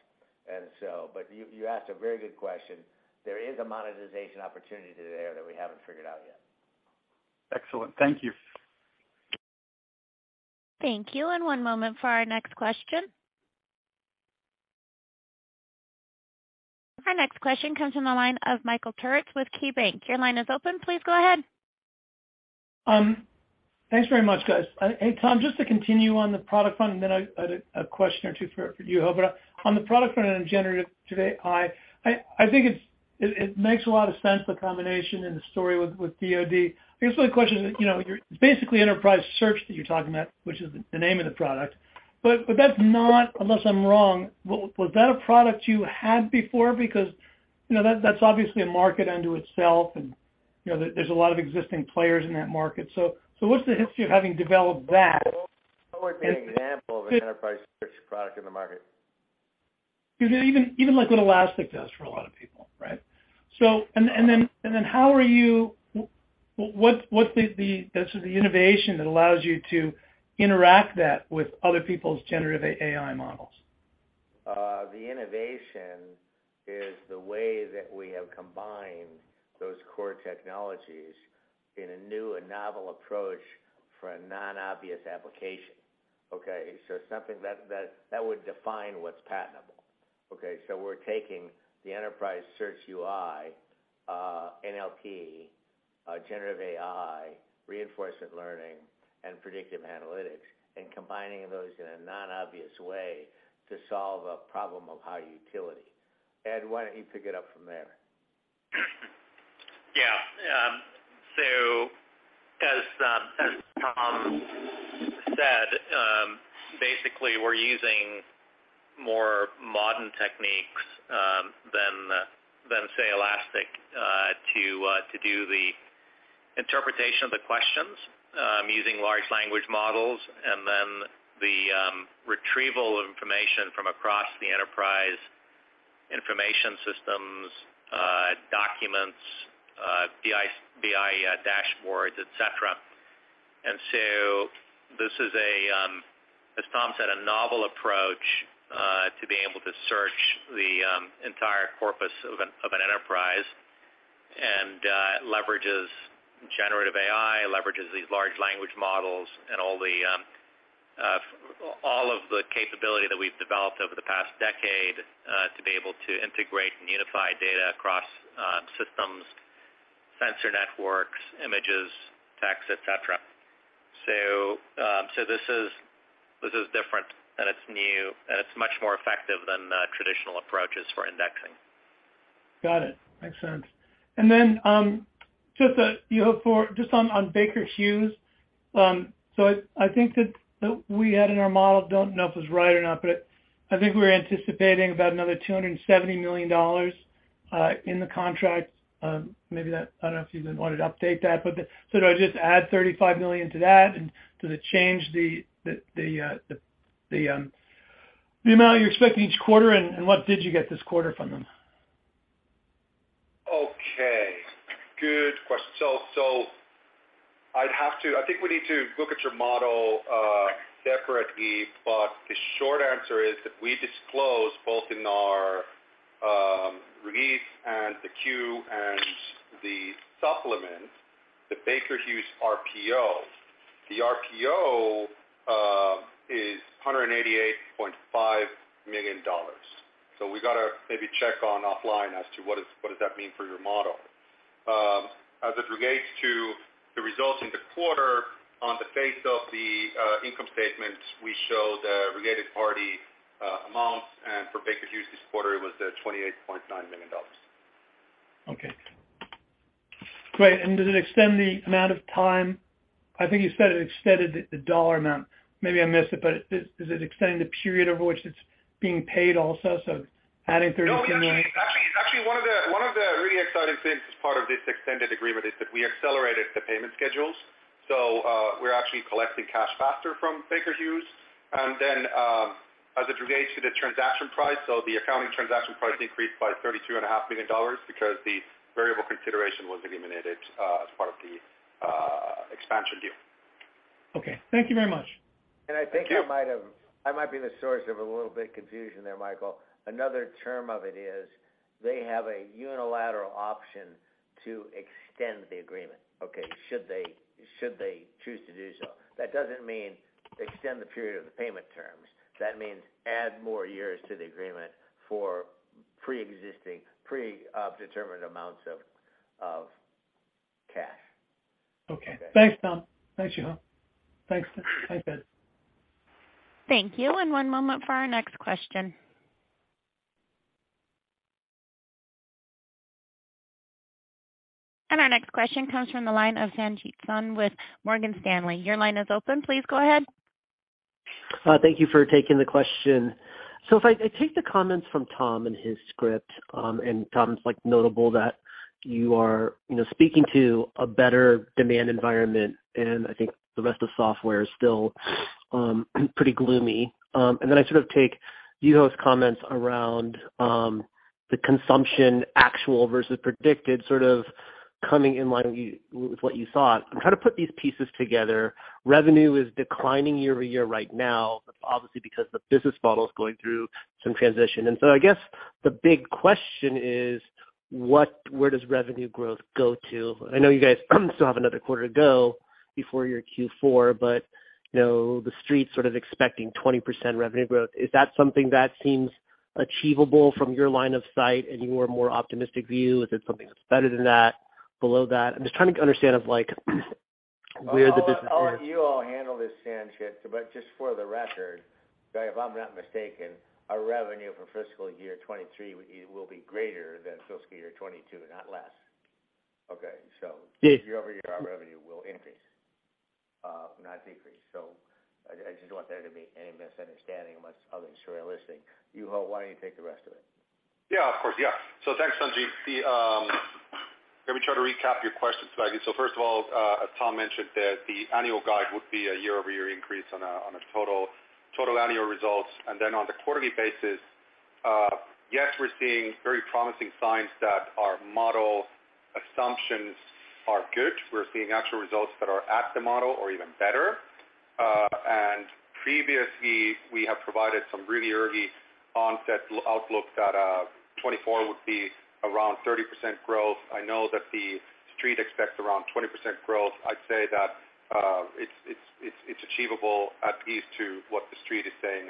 Speaker 3: You asked a very good question. There is a monetization opportunity there that we haven't figured out yet.
Speaker 6: Excellent. Thank you.
Speaker 4: Thank you. One moment for our next question. Our next question comes from the line of Michael Turits with KeyBanc. Your line is open. Please go ahead.
Speaker 7: Thanks very much, guys. Hey, Tom, just to continue on the product front, and then a question or two for Juho. On the product front and generative AI, I think it makes a lot of sense, the combination and the story with DoD. I guess my question is, you know, you're basically enterprise search that you're talking about, which is the name of the product. That's not, unless I'm wrong, was that a product you had before? You know, that's obviously a market unto itself, and, you know, there's a lot of existing players in that market. What's the history of having developed that?
Speaker 3: What would be an example of an enterprise search product in the market?
Speaker 7: Even like what Elastic does for a lot of people, right? How are you... What, what's the innovation that allows you to interact that with other people's generative AI models?
Speaker 3: The innovation is the way that we have combined those core technologies in a new and novel approach for a non-obvious application, okay? Something that would define what's patentable, okay? We're taking the enterprise search UI, NLP, generative AI, reinforcement learning, and predictive analytics, and combining those in a non-obvious way to solve a problem of high utility. Ed, why don't you pick it up from there?
Speaker 8: As Tom said, basically we're using more modern techniques than say Elastic to do the interpretation of the questions using large language models, and then the retrieval of information from across the enterprise information systems, documents, BI dashboards, et cetera. This is a, as Tom said, a novel approach to being able to search the entire corpus of an enterprise and leverages generative AI, leverages these large language models and all of the capability that we've developed over the past decade to be able to integrate and unify data across systems, sensor networks, images, text, et cetera. This is different, and it's new, and it's much more effective than the traditional approaches for indexing.
Speaker 7: Got it. Makes sense. Just on Baker Hughes. I think that we had in our model, don't know if it's right or not, but I think we're anticipating about another $270 million in the contract. Maybe that. I don't know if you even wanted to update that, so do I just add $35 million to that and does it change the amount you're expecting each quarter, and what did you get this quarter from them?
Speaker 4: Okay. Good question. I think we need to look at your model separately, but the short answer is that we disclose both in our release and the Q and the supplement, the Baker Hughes RPO. The RPO is $188.5 million. We gotta maybe check on offline as to what does that mean for your model. As it relates to the results in the quarter on the face of the income statement, we show the related party amounts, and for Baker Hughes this quarter it was $28.9 million.
Speaker 7: Okay. Great. Does it extend the amount of time? I think you said it extended the dollar amount. Maybe I missed it, does it extend the period over which it's being paid also, so adding $32 million?
Speaker 4: No, actually, it's actually one of the really exciting things as part of this extended agreement is that we accelerated the payment schedules. We're actually collecting cash faster from Baker Hughes. As it relates to the transaction price, the accounting transaction price increased by $32.5 million because the variable consideration was eliminated as part of the expansion deal.
Speaker 7: Okay. Thank you very much.
Speaker 3: I think I might be the source of a little bit of confusion there, Michael Turits. Another term of it is they have a unilateral option to extend the agreement, okay, should they choose to do so. That doesn't mean extend the period of the payment terms. That means add more years to the agreement for preexisting, pre-determined amounts of. Okay.
Speaker 7: Thanks, Tom. Thanks, Juho. Thanks. Bye, Ed Abbo.
Speaker 1: Thank you. One moment for our next question. Our next question comes from the line of Sanjit Singh with Morgan Stanley. Your line is open. Please go ahead.
Speaker 9: Thank you for taking the question. If I take the comments from Tom and his script, and Tom's, like, notable that you are, you know, speaking to a better demand environment, and I think the rest of the software is still pretty gloomy. Then I sort of take Juho's comments around the consumption actual versus predicted sort of coming in line with what you thought. I'm trying to put these pieces together. Revenue is declining year-over-year right now, obviously, because the business model is going through some transition. I guess the big question is where does revenue growth go to? I know you guys still have another quarter to go before your Q4, but, you know, the Street's sort of expecting 20% revenue growth. Is that something that seems achievable from your line of sight and your more optimistic view? Is it something that's better than that? Below that? I'm just trying to understand of, like, where the business is.
Speaker 3: I'll let you all handle this, Sanjit, but just for the record, if I'm not mistaken, our revenue for fiscal year 2023 will be greater than fiscal year 2022, not less. Okay.
Speaker 9: Yeah.
Speaker 3: Year-over-year, our revenue will increase, not decrease. I just don't want there to be any misunderstanding unless I'll be surrealistic. Juho, why don't you take the rest of it?
Speaker 4: Yeah, of course. Yeah. Thanks, Sanjit. The, let me try to recap your question. First of all, as Tom mentioned, the annual guide would be a year-over-year increase on a total annual results. Then on the quarterly basis, yes, we're seeing very promising signs that our model assumptions are good. We're seeing actual results that are at the model or even better. Previously, we have provided some really early onset outlook that 2024 would be around 30% growth. I know that the street expects around 20% growth. I'd say that it's achievable at least to what the street is saying.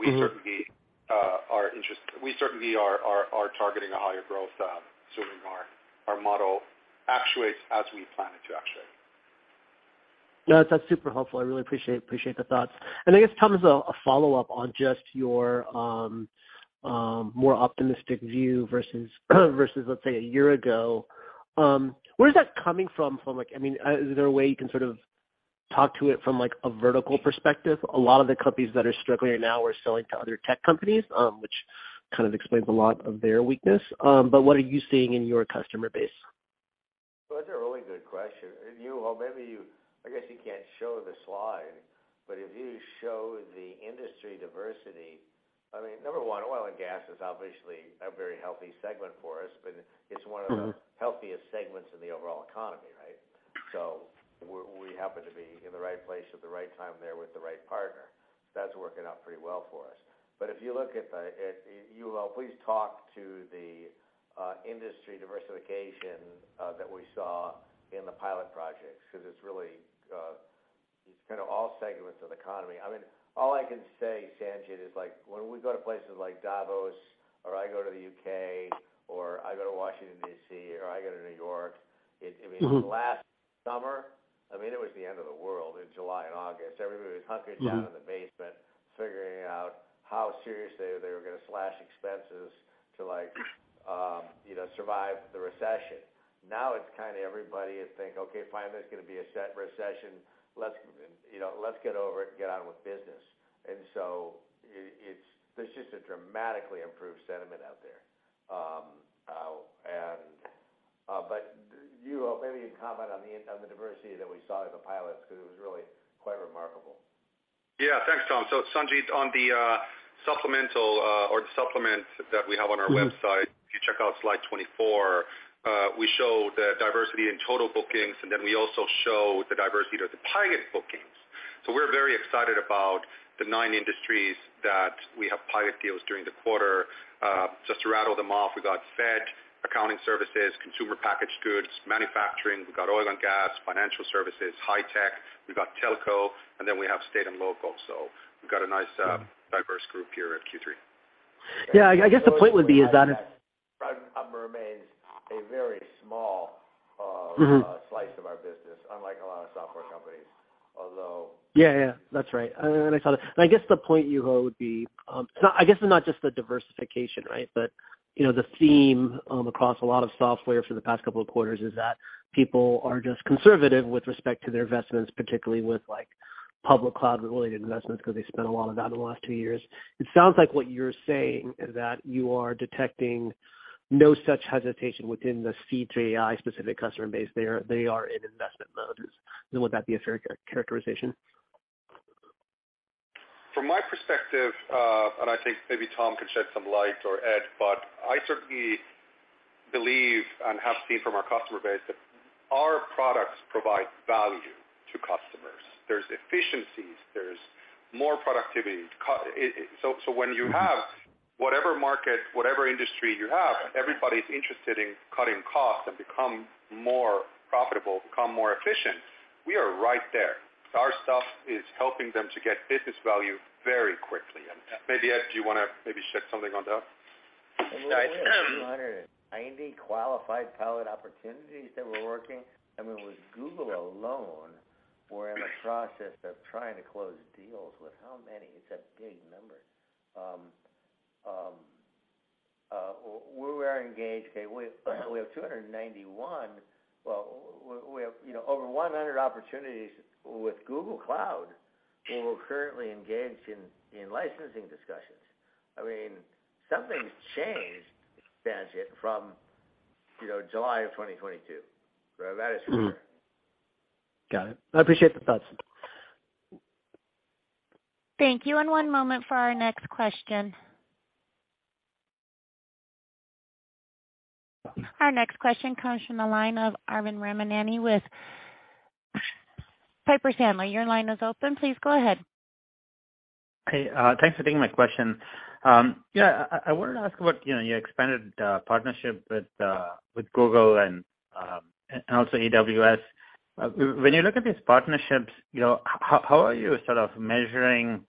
Speaker 4: We certainly are targeting a higher growth, assuming our model actuates as we plan it to actuate.
Speaker 9: No, that's super helpful. I really appreciate the thoughts. I guess, Tom, as a follow-up on just your more optimistic view versus, let's say, a year ago, where is that coming from? From like, I mean, is there a way you can sort of talk to it from, like, a vertical perspective? A lot of the companies that are struggling now are selling to other tech companies, which kind of explains a lot of their weakness. What are you seeing in your customer base?
Speaker 3: Well, that's a really good question. Juho, maybe I guess you can't show the slide, but if you show the industry diversity, I mean, number one, oil and gas is obviously a very healthy segment for us, but it's one of the-
Speaker 9: Mm-hmm.
Speaker 3: healthiest segments in the overall economy, right? We happen to be in the right place at the right time there with the right partner. That's working out pretty well for us. If you look at Juho, please talk to the industry diversification that we saw in the pilot projects because it's really, it's kind of all segments of the economy. I mean, all I can say, Sanjit, is, like, when we go to places like Davos or I go to the U.K. or I go to Washington D.C. or I go to New York, I mean...
Speaker 9: Mm-hmm.
Speaker 3: Last summer, I mean, it was the end of the world in July and August. Everybody was hunkered down-
Speaker 9: Mm.
Speaker 3: in the basement figuring out how seriously they were gonna slash expenses to, like, you know, survive the recession. Now it's kind of everybody is think, "Okay, fine, there's gonna be a set recession. Let's, you know, let's get over it and get on with business." there's just a dramatically improved sentiment out there. Juho, maybe you comment on the, on the diversity that we saw in the pilots because it was really quite remarkable.
Speaker 4: Yeah. Thanks, Tom. Sanjit, on the supplement that we have on our website-
Speaker 9: Mm-hmm.
Speaker 4: If you check out slide 24, we show the diversity in total bookings, and then we also show the diversity of the pilot bookings. We're very excited about the nine industries that we have pilot deals during the quarter. Just to rattle them off, we've got Fed, accounting services, consumer packaged goods, manufacturing. We've got oil and gas, financial services, high tech. We've got telco, and then we have state and local. We've got a nice, diverse group here at Q3.
Speaker 9: Yeah, I guess the point would be.
Speaker 3: That number remains a very small,
Speaker 9: Mm-hmm.
Speaker 3: -slice of our business, unlike a lot of software companies. Although-
Speaker 9: Yeah, yeah. That's right. I saw that. I guess the point, Juho, would be, I guess it's not just the diversification, right? You know, the theme, across a lot of software for the past couple of quarters is that people are just conservative with respect to their investments, particularly with, like, public cloud related investments, because they spent a lot of that in the last two years. It sounds like what you're saying is that you are detecting no such hesitation within the C3.ai specific customer base. They are in investment mode. Would that be a fair characterization?
Speaker 4: From my perspective, I think maybe Tom can shed some light or Ed, but I certainly believe and have seen from our customer base that our products provide value to customers. There's efficiencies, there's more productivity. So when you have whatever market, whatever industry you have, everybody's interested in cutting costs and become more profitable, become more efficient. We are right there. Our stuff is helping them to get business value very quickly. Maybe, Ed, do you wanna maybe shed something on that?
Speaker 8: We have 290 qualified pilot opportunities that we're working. I mean, with Google alone, we're in the process of trying to close deals with how many? It's a big number. We are engaged. Okay, we have 291. Well, we have, you know, over 100 opportunities with Google Cloud, and we're currently engaged in licensing discussions. I mean, something's changed, Sanjit, from, you know, July of 2022. That is for sure.
Speaker 9: Got it. I appreciate the thoughts.
Speaker 1: Thank you. One moment for our next question. Our next question comes from the line of Arvind Ramnani with Piper Sandler. Your line is open. Please go ahead.
Speaker 10: Hey, thanks for taking my question. I wanted to ask about, you know, your expanded partnership with Google and also AWS. When you look at these partnerships, you know, how are you sort of measuring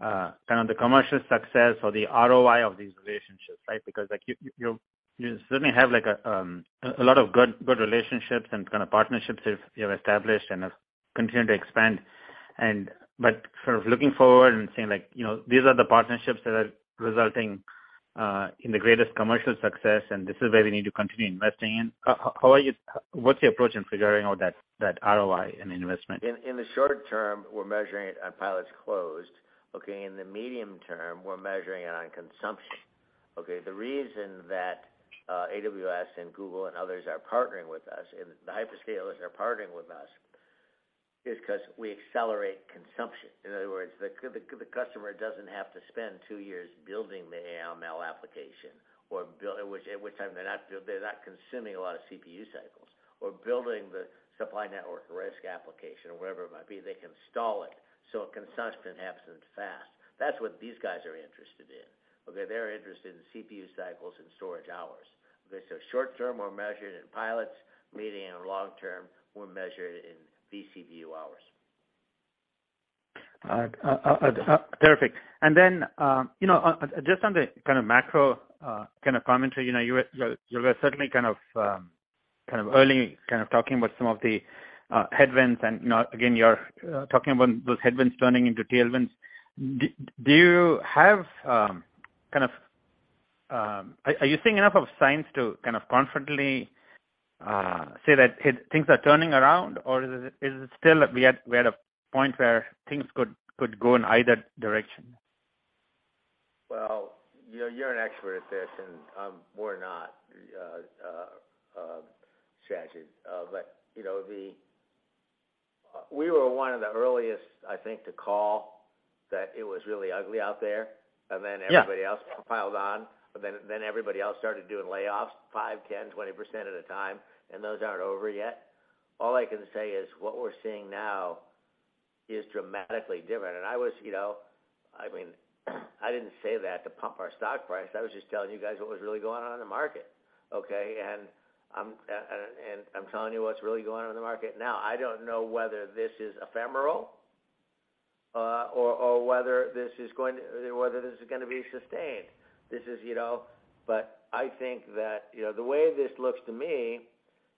Speaker 10: kind of the commercial success or the ROI of these relationships, right? Because, like, you certainly have, like, a lot of good relationships and kind of partnerships you've, you know, established and have continued to expand. But sort of looking forward and saying, like, you know, these are the partnerships that are resulting in the greatest commercial success, and this is where we need to continue investing in. What's your approach in figuring out that ROI and investment?
Speaker 3: In the short term, we're measuring it on pilots closed, okay? In the medium term, we're measuring it on consumption. Okay? The reason that AWS and Google and others are partnering with us, and the hyperscalers are partnering with us is 'cause we accelerate consumption. In other words, the customer doesn't have to spend two years building the AI/ML application or at which time they're not consuming a lot of CPU cycles or building the supply network risk application or whatever it might be. They can stall it, so consumption happens fast. That's what these guys are interested in, okay? They're interested in CPU cycles and storage hours. Okay, so short term, we're measured in pilots. Medium and long term, we're measured in vCPU hours.
Speaker 10: Terrific. You know, just on the kind of macro, kind of commentary, you know, you were certainly kind of early talking about some of the headwinds. You know, again, you're talking about those headwinds turning into tailwinds. Are you seeing enough of signs to kind of confidently say that things are turning around, or is it still we're at a point where things could go in either direction?
Speaker 3: Well, you know, you're an expert at this and, we're not, Sanjit. You know, We were one of the earliest, I think, to call that it was really ugly out there.
Speaker 10: Yeah.
Speaker 3: Everybody else piled on. Then everybody else started doing layoffs, 5%, 10%, 20% at a time, and those aren't over yet. All I can say is what we're seeing now is dramatically different. I was, you know... I mean, I didn't say that to pump our stock price. I was just telling you guys what was really going on in the market, okay? I'm telling you what's really going on in the market now. I don't know whether this is ephemeral, or whether this is gonna be sustained. This is, you know... I think that, you know, the way this looks to me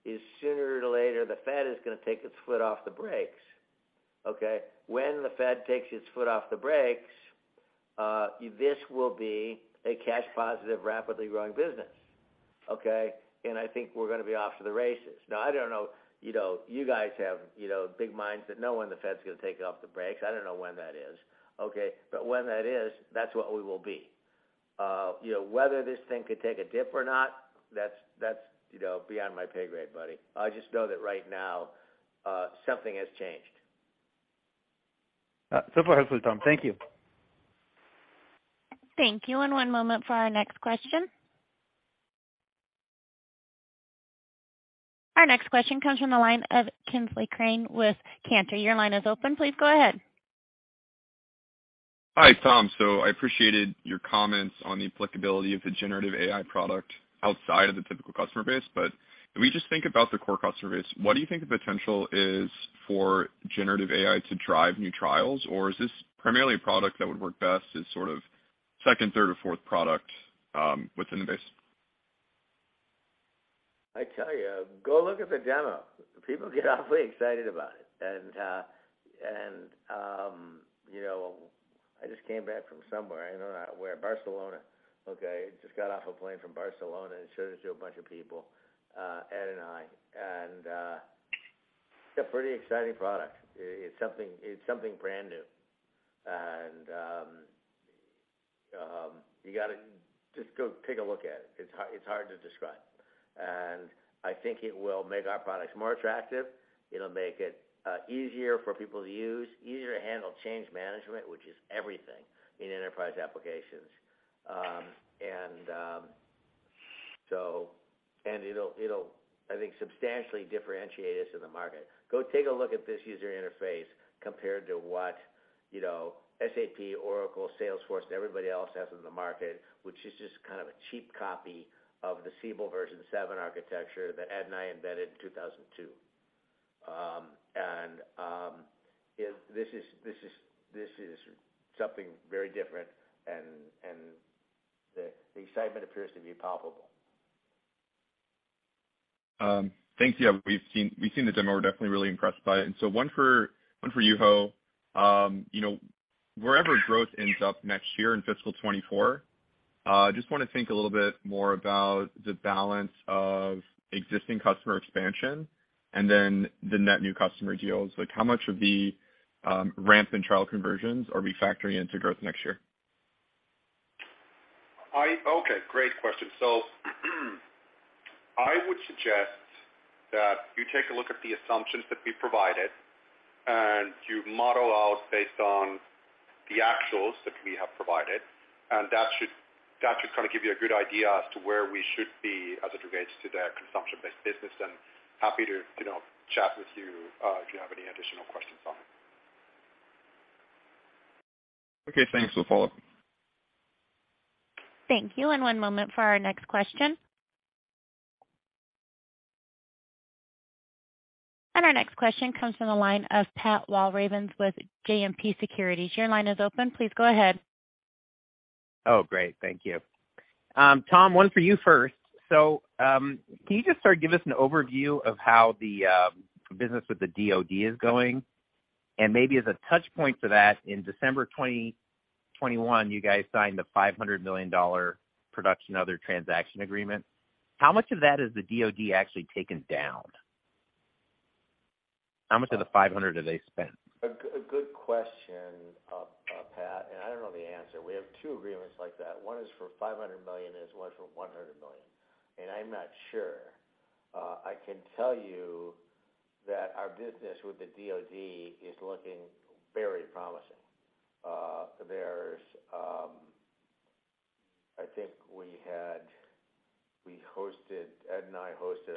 Speaker 3: is sooner or later, the Fed is gonna take its foot off the brakes, okay? When the Fed takes its foot off the brakes, this will be a cash positive, rapidly growing business, okay? I think we're gonna be off to the races. Now, I don't know, you know, you guys have, you know, big minds that know when the Fed's gonna take it off the brakes. I don't know when that is, okay? When that is, that's what we will be. You know, whether this thing could take a dip or not, that's, you know, beyond my pay grade, buddy. I just know that right now, something has changed.
Speaker 10: Super helpful, Tom. Thank you.
Speaker 1: Thank you. One moment for our next question. Our next question comes from the line of Kingsley Crane with Canaccord. Your line is open. Please go ahead.
Speaker 11: Hi, Tom. I appreciated your comments on the applicability of the generative AI product outside of the typical customer base. If we just think about the core customer base, what do you think the potential is for generative AI to drive new trials? Is this primarily a product that would work best as sort of second, third, or fourth product within the base?
Speaker 3: I tell you, go look at the demo. People get awfully excited about it. You know, I just came back from somewhere. I don't know where. Barcelona. Okay, just got off a plane from Barcelona and showed it to a bunch of people, Ed and I. It's a pretty exciting product. It's something brand new. You got to just go take a look at it. It's hard to describe. I think it will make our products more attractive. It'll make it easier for people to use, easier to handle change management, which is everything in enterprise applications. It'll, I think, substantially differentiate us in the market. Go take a look at this user interface compared to what, you know, SAP, Oracle, Salesforce, everybody else has in the market, which is just kind of a cheap copy of the Siebel Version 7 architecture that Ed and I invented in 2002. This is something very different and the excitement appears to be palpable.
Speaker 11: Thank you. We've seen the demo. We're definitely really impressed by it. One for Juho. You know, wherever growth ends up next year in fiscal 2024, I just wanna think a little bit more about the balance of existing customer expansion and then the net new customer deals. Like, how much of the ramp and trial conversions are we factoring into growth next year?
Speaker 4: Okay, great question. I would suggest that you take a look at the assumptions that we provided, and you model out based on the actuals that we have provided, and that should kind of give you a good idea as to where we should be as it relates to the consumption-based business, and happy to, you know, chat with you, if you have any additional questions on it.
Speaker 11: Okay, thanks. We'll follow up.
Speaker 1: Thank you. One moment for our next question. Our next question comes from the line of Pat Walravens with JMP Securities. Your line is open. Please go ahead.
Speaker 12: Oh, great. Thank you. Tom, one for you first. Can you just sort of give us an overview of how the business with the DoD is going? Maybe as a touch point to that, in December 2021, you guys signed the $500 million production other transaction agreement. How much of that has the DoD actually taken down? How much of the $500 million have they spent?
Speaker 3: A good question, Pat, and I don't know the answer. We have two agreements like that. One is for $500 million, there's one for $100 million, and I'm not sure. I can tell you that our business with the DoD is looking very promising. I think Ed and I hosted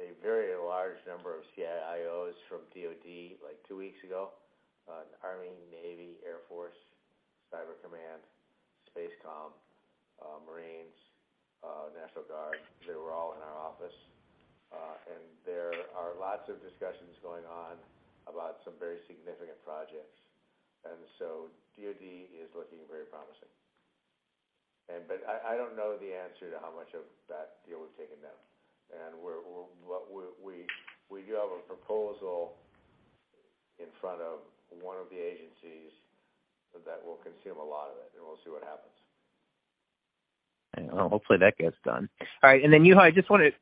Speaker 3: a very large number of CIOs from DoD, like, two weeks ago, Army, Navy, Air Force, Cyber Command, SPACECOM, Marines, National Guard. They were all in our office. There are lots of discussions going on about some very significant projects. DoD is looking very promising. But I don't know the answer to how much of that deal we've taken down. What we do have a proposal in front of one of the agencies that will consume a lot of it, and we'll see what happens.
Speaker 12: Hopefully that gets done. All right. Juho, this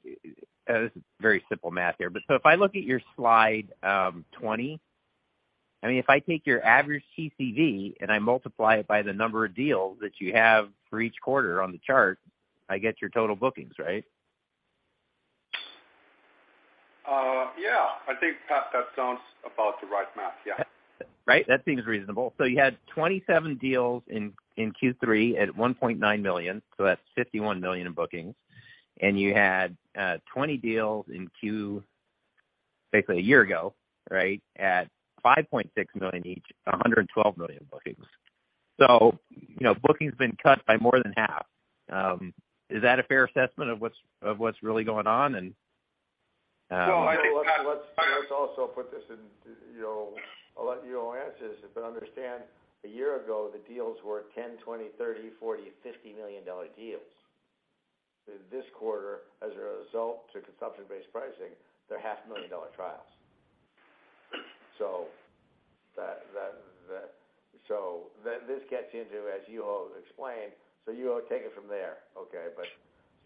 Speaker 12: is very simple math here. If I look at your slide, 20, I mean, if I take your average TCV and I multiply it by the number of deals that you have for each quarter on the chart, I get your total bookings, right?
Speaker 4: Yeah. I think, Pat, that sounds about the right math. Yeah.
Speaker 12: Right? That seems reasonable. You had 27 deals in Q3 at $1.9 million, so that's $51 million in bookings. You had 20 deals in Q, basically a year ago, right, at $5.6 million each, $112 million bookings. You know, booking's been cut by more than half. Is that a fair assessment of what's really going on?
Speaker 3: I think, Pat Walravens, let's also put this in, you know. I'll let you answer this, but understand a year ago, the deals were $10 million, $20 million, $30 million, $40 million, $50 million deals. This quarter, as a result to consumption-based pricing, they're half million dollar trials. That gets into, as Juho explained, Juho, take it from there, okay? We're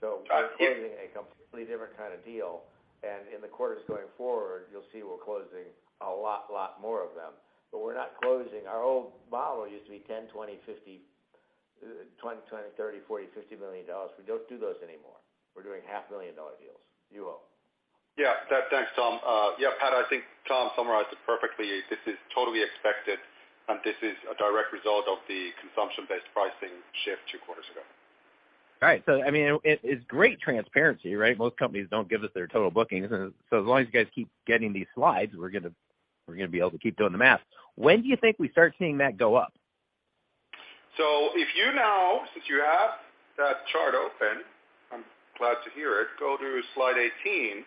Speaker 3: closing a completely different kind of deal, and in the quarters going forward, you'll see we're closing a lot more of them. We're not closing. Our old model used to be $10 million, $20 million, $50 million, $20 million, $30 million, $40 million, $50 million. We don't do those anymore. We're doing $500 million deals. Juho.
Speaker 4: Yeah, thanks, Tom. Yeah, Pat, I think Tom summarized it perfectly. This is totally expected, and this is a direct result of the consumption-based pricing shift two quarters ago.
Speaker 12: All right. I mean, it's great transparency, right? Most companies don't give us their total bookings. As long as you guys keep getting these slides, we're gonna be able to keep doing the math. When do you think we start seeing that go up?
Speaker 4: If you now, since you have that chart open, I'm glad to hear it, go to slide 18.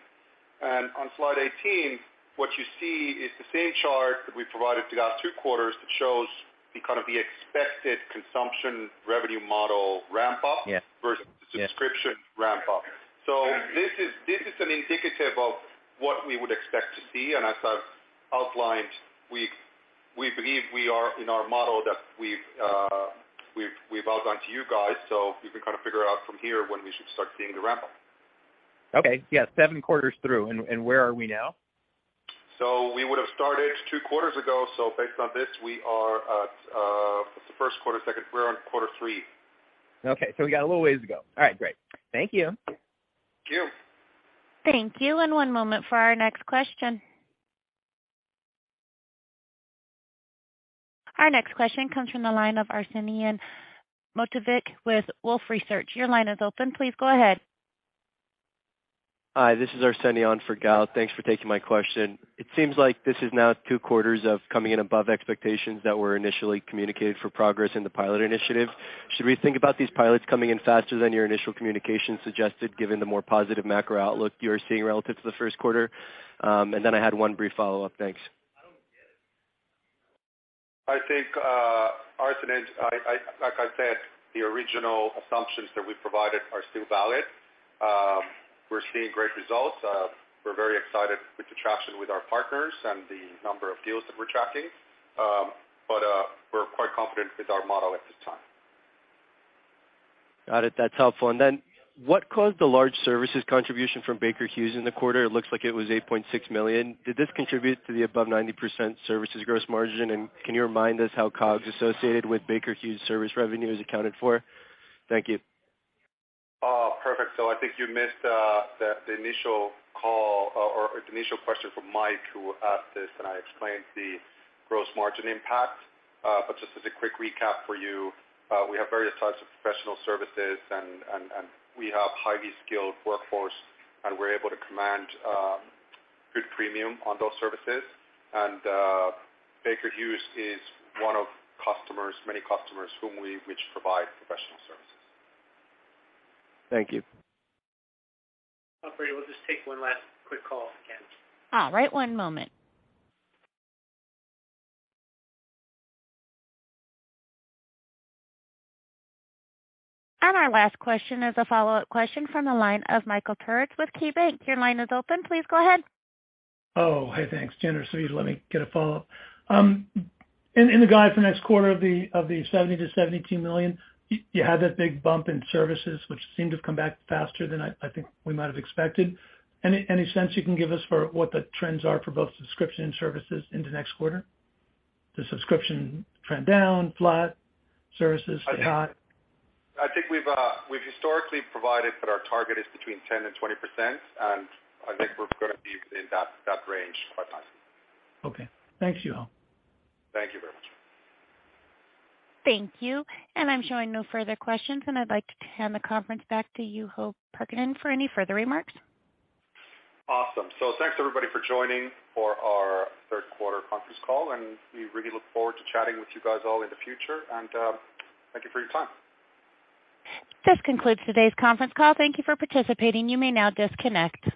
Speaker 4: On slide 18, what you see is the same chart that we provided to you our two quarters that shows the kind of the expected consumption revenue model ramp up.
Speaker 12: Yeah.
Speaker 4: -versus the subscription ramp up. This is an indicative of what we would expect to see. As I've outlined, we believe we are in our model that we've outlined to you guys, so you can kind of figure out from here when we should start seeing the ramp up.
Speaker 12: Okay. Yeah. Seven quarters through, and where are we now?
Speaker 4: We would've started two quarters ago, so based on this, we are at, what's the first quarter, second? We're on quarter three.
Speaker 12: Okay. We got a little ways to go. All right, great. Thank you.
Speaker 4: Thank you.
Speaker 1: Thank you. One moment for our next question. Our next question comes from the line of Arsenije Matovic with Wolfe Research. Your line is open. Please go ahead.
Speaker 13: Hi, this is Arsenije for Gal. Thanks for taking my question. It seems like this is now two quarters of coming in above expectations that were initially communicated for progress in the pilot initiative. Should we think about these pilots coming in faster than your initial communication suggested, given the more positive macro outlook you're seeing relative to the first quarter? I had one brief follow-up. Thanks.
Speaker 4: I think, Arsenije, like I said, the original assumptions that we provided are still valid. We're seeing great results. We're very excited with the traction with our partners and the number of deals that we're tracking. We're quite confident with our model at this time.
Speaker 13: Got it. That's helpful. What caused the large services contribution from Baker Hughes in the quarter? It looks like it was $8.6 million. Did this contribute to the above 90% services gross margin? Can you remind us how COGS associated with Baker Hughes service revenue is accounted for? Thank you.
Speaker 4: Perfect. I think you missed the initial call or the initial question from Mike, who asked this, and I explained the gross margin impact. Just as a quick recap for you, we have various types of professional services and we have highly skilled workforce, and we're able to command good premium on those services. Baker Hughes is one of customers, many customers which provide professional services.
Speaker 13: Thank you.
Speaker 3: Operator, we'll just take one last quick call again.
Speaker 1: All right, one moment. Our last question is a follow-up question from the line of Michael Turits with KeyBanc. Your line is open. Please go ahead.
Speaker 7: Hey, thanks, Jen, let me get a follow-up. In the guide for next quarter of the $70 million-$72 million, you had that big bump in services which seemed to have come back faster than I think we might have expected. Any, any sense you can give us for what the trends are for both subscription and services into next quarter? The subscription trend down, flat, services stay high?
Speaker 4: I think we've historically provided that our target is between 10% and 20%, and I think we're gonna be within that range quite nicely.
Speaker 7: Okay. Thanks, Juho.
Speaker 4: Thank you very much.
Speaker 1: Thank you. I'm showing no further questions. I'd like to hand the conference back to Juho Parkkinen for any further remarks.
Speaker 4: Awesome. Thanks everybody for joining for our third quarter conference call, and we really look forward to chatting with you guys all in the future. Thank you for your time.
Speaker 1: This concludes today's conference call. Thank you for participating. You may now disconnect.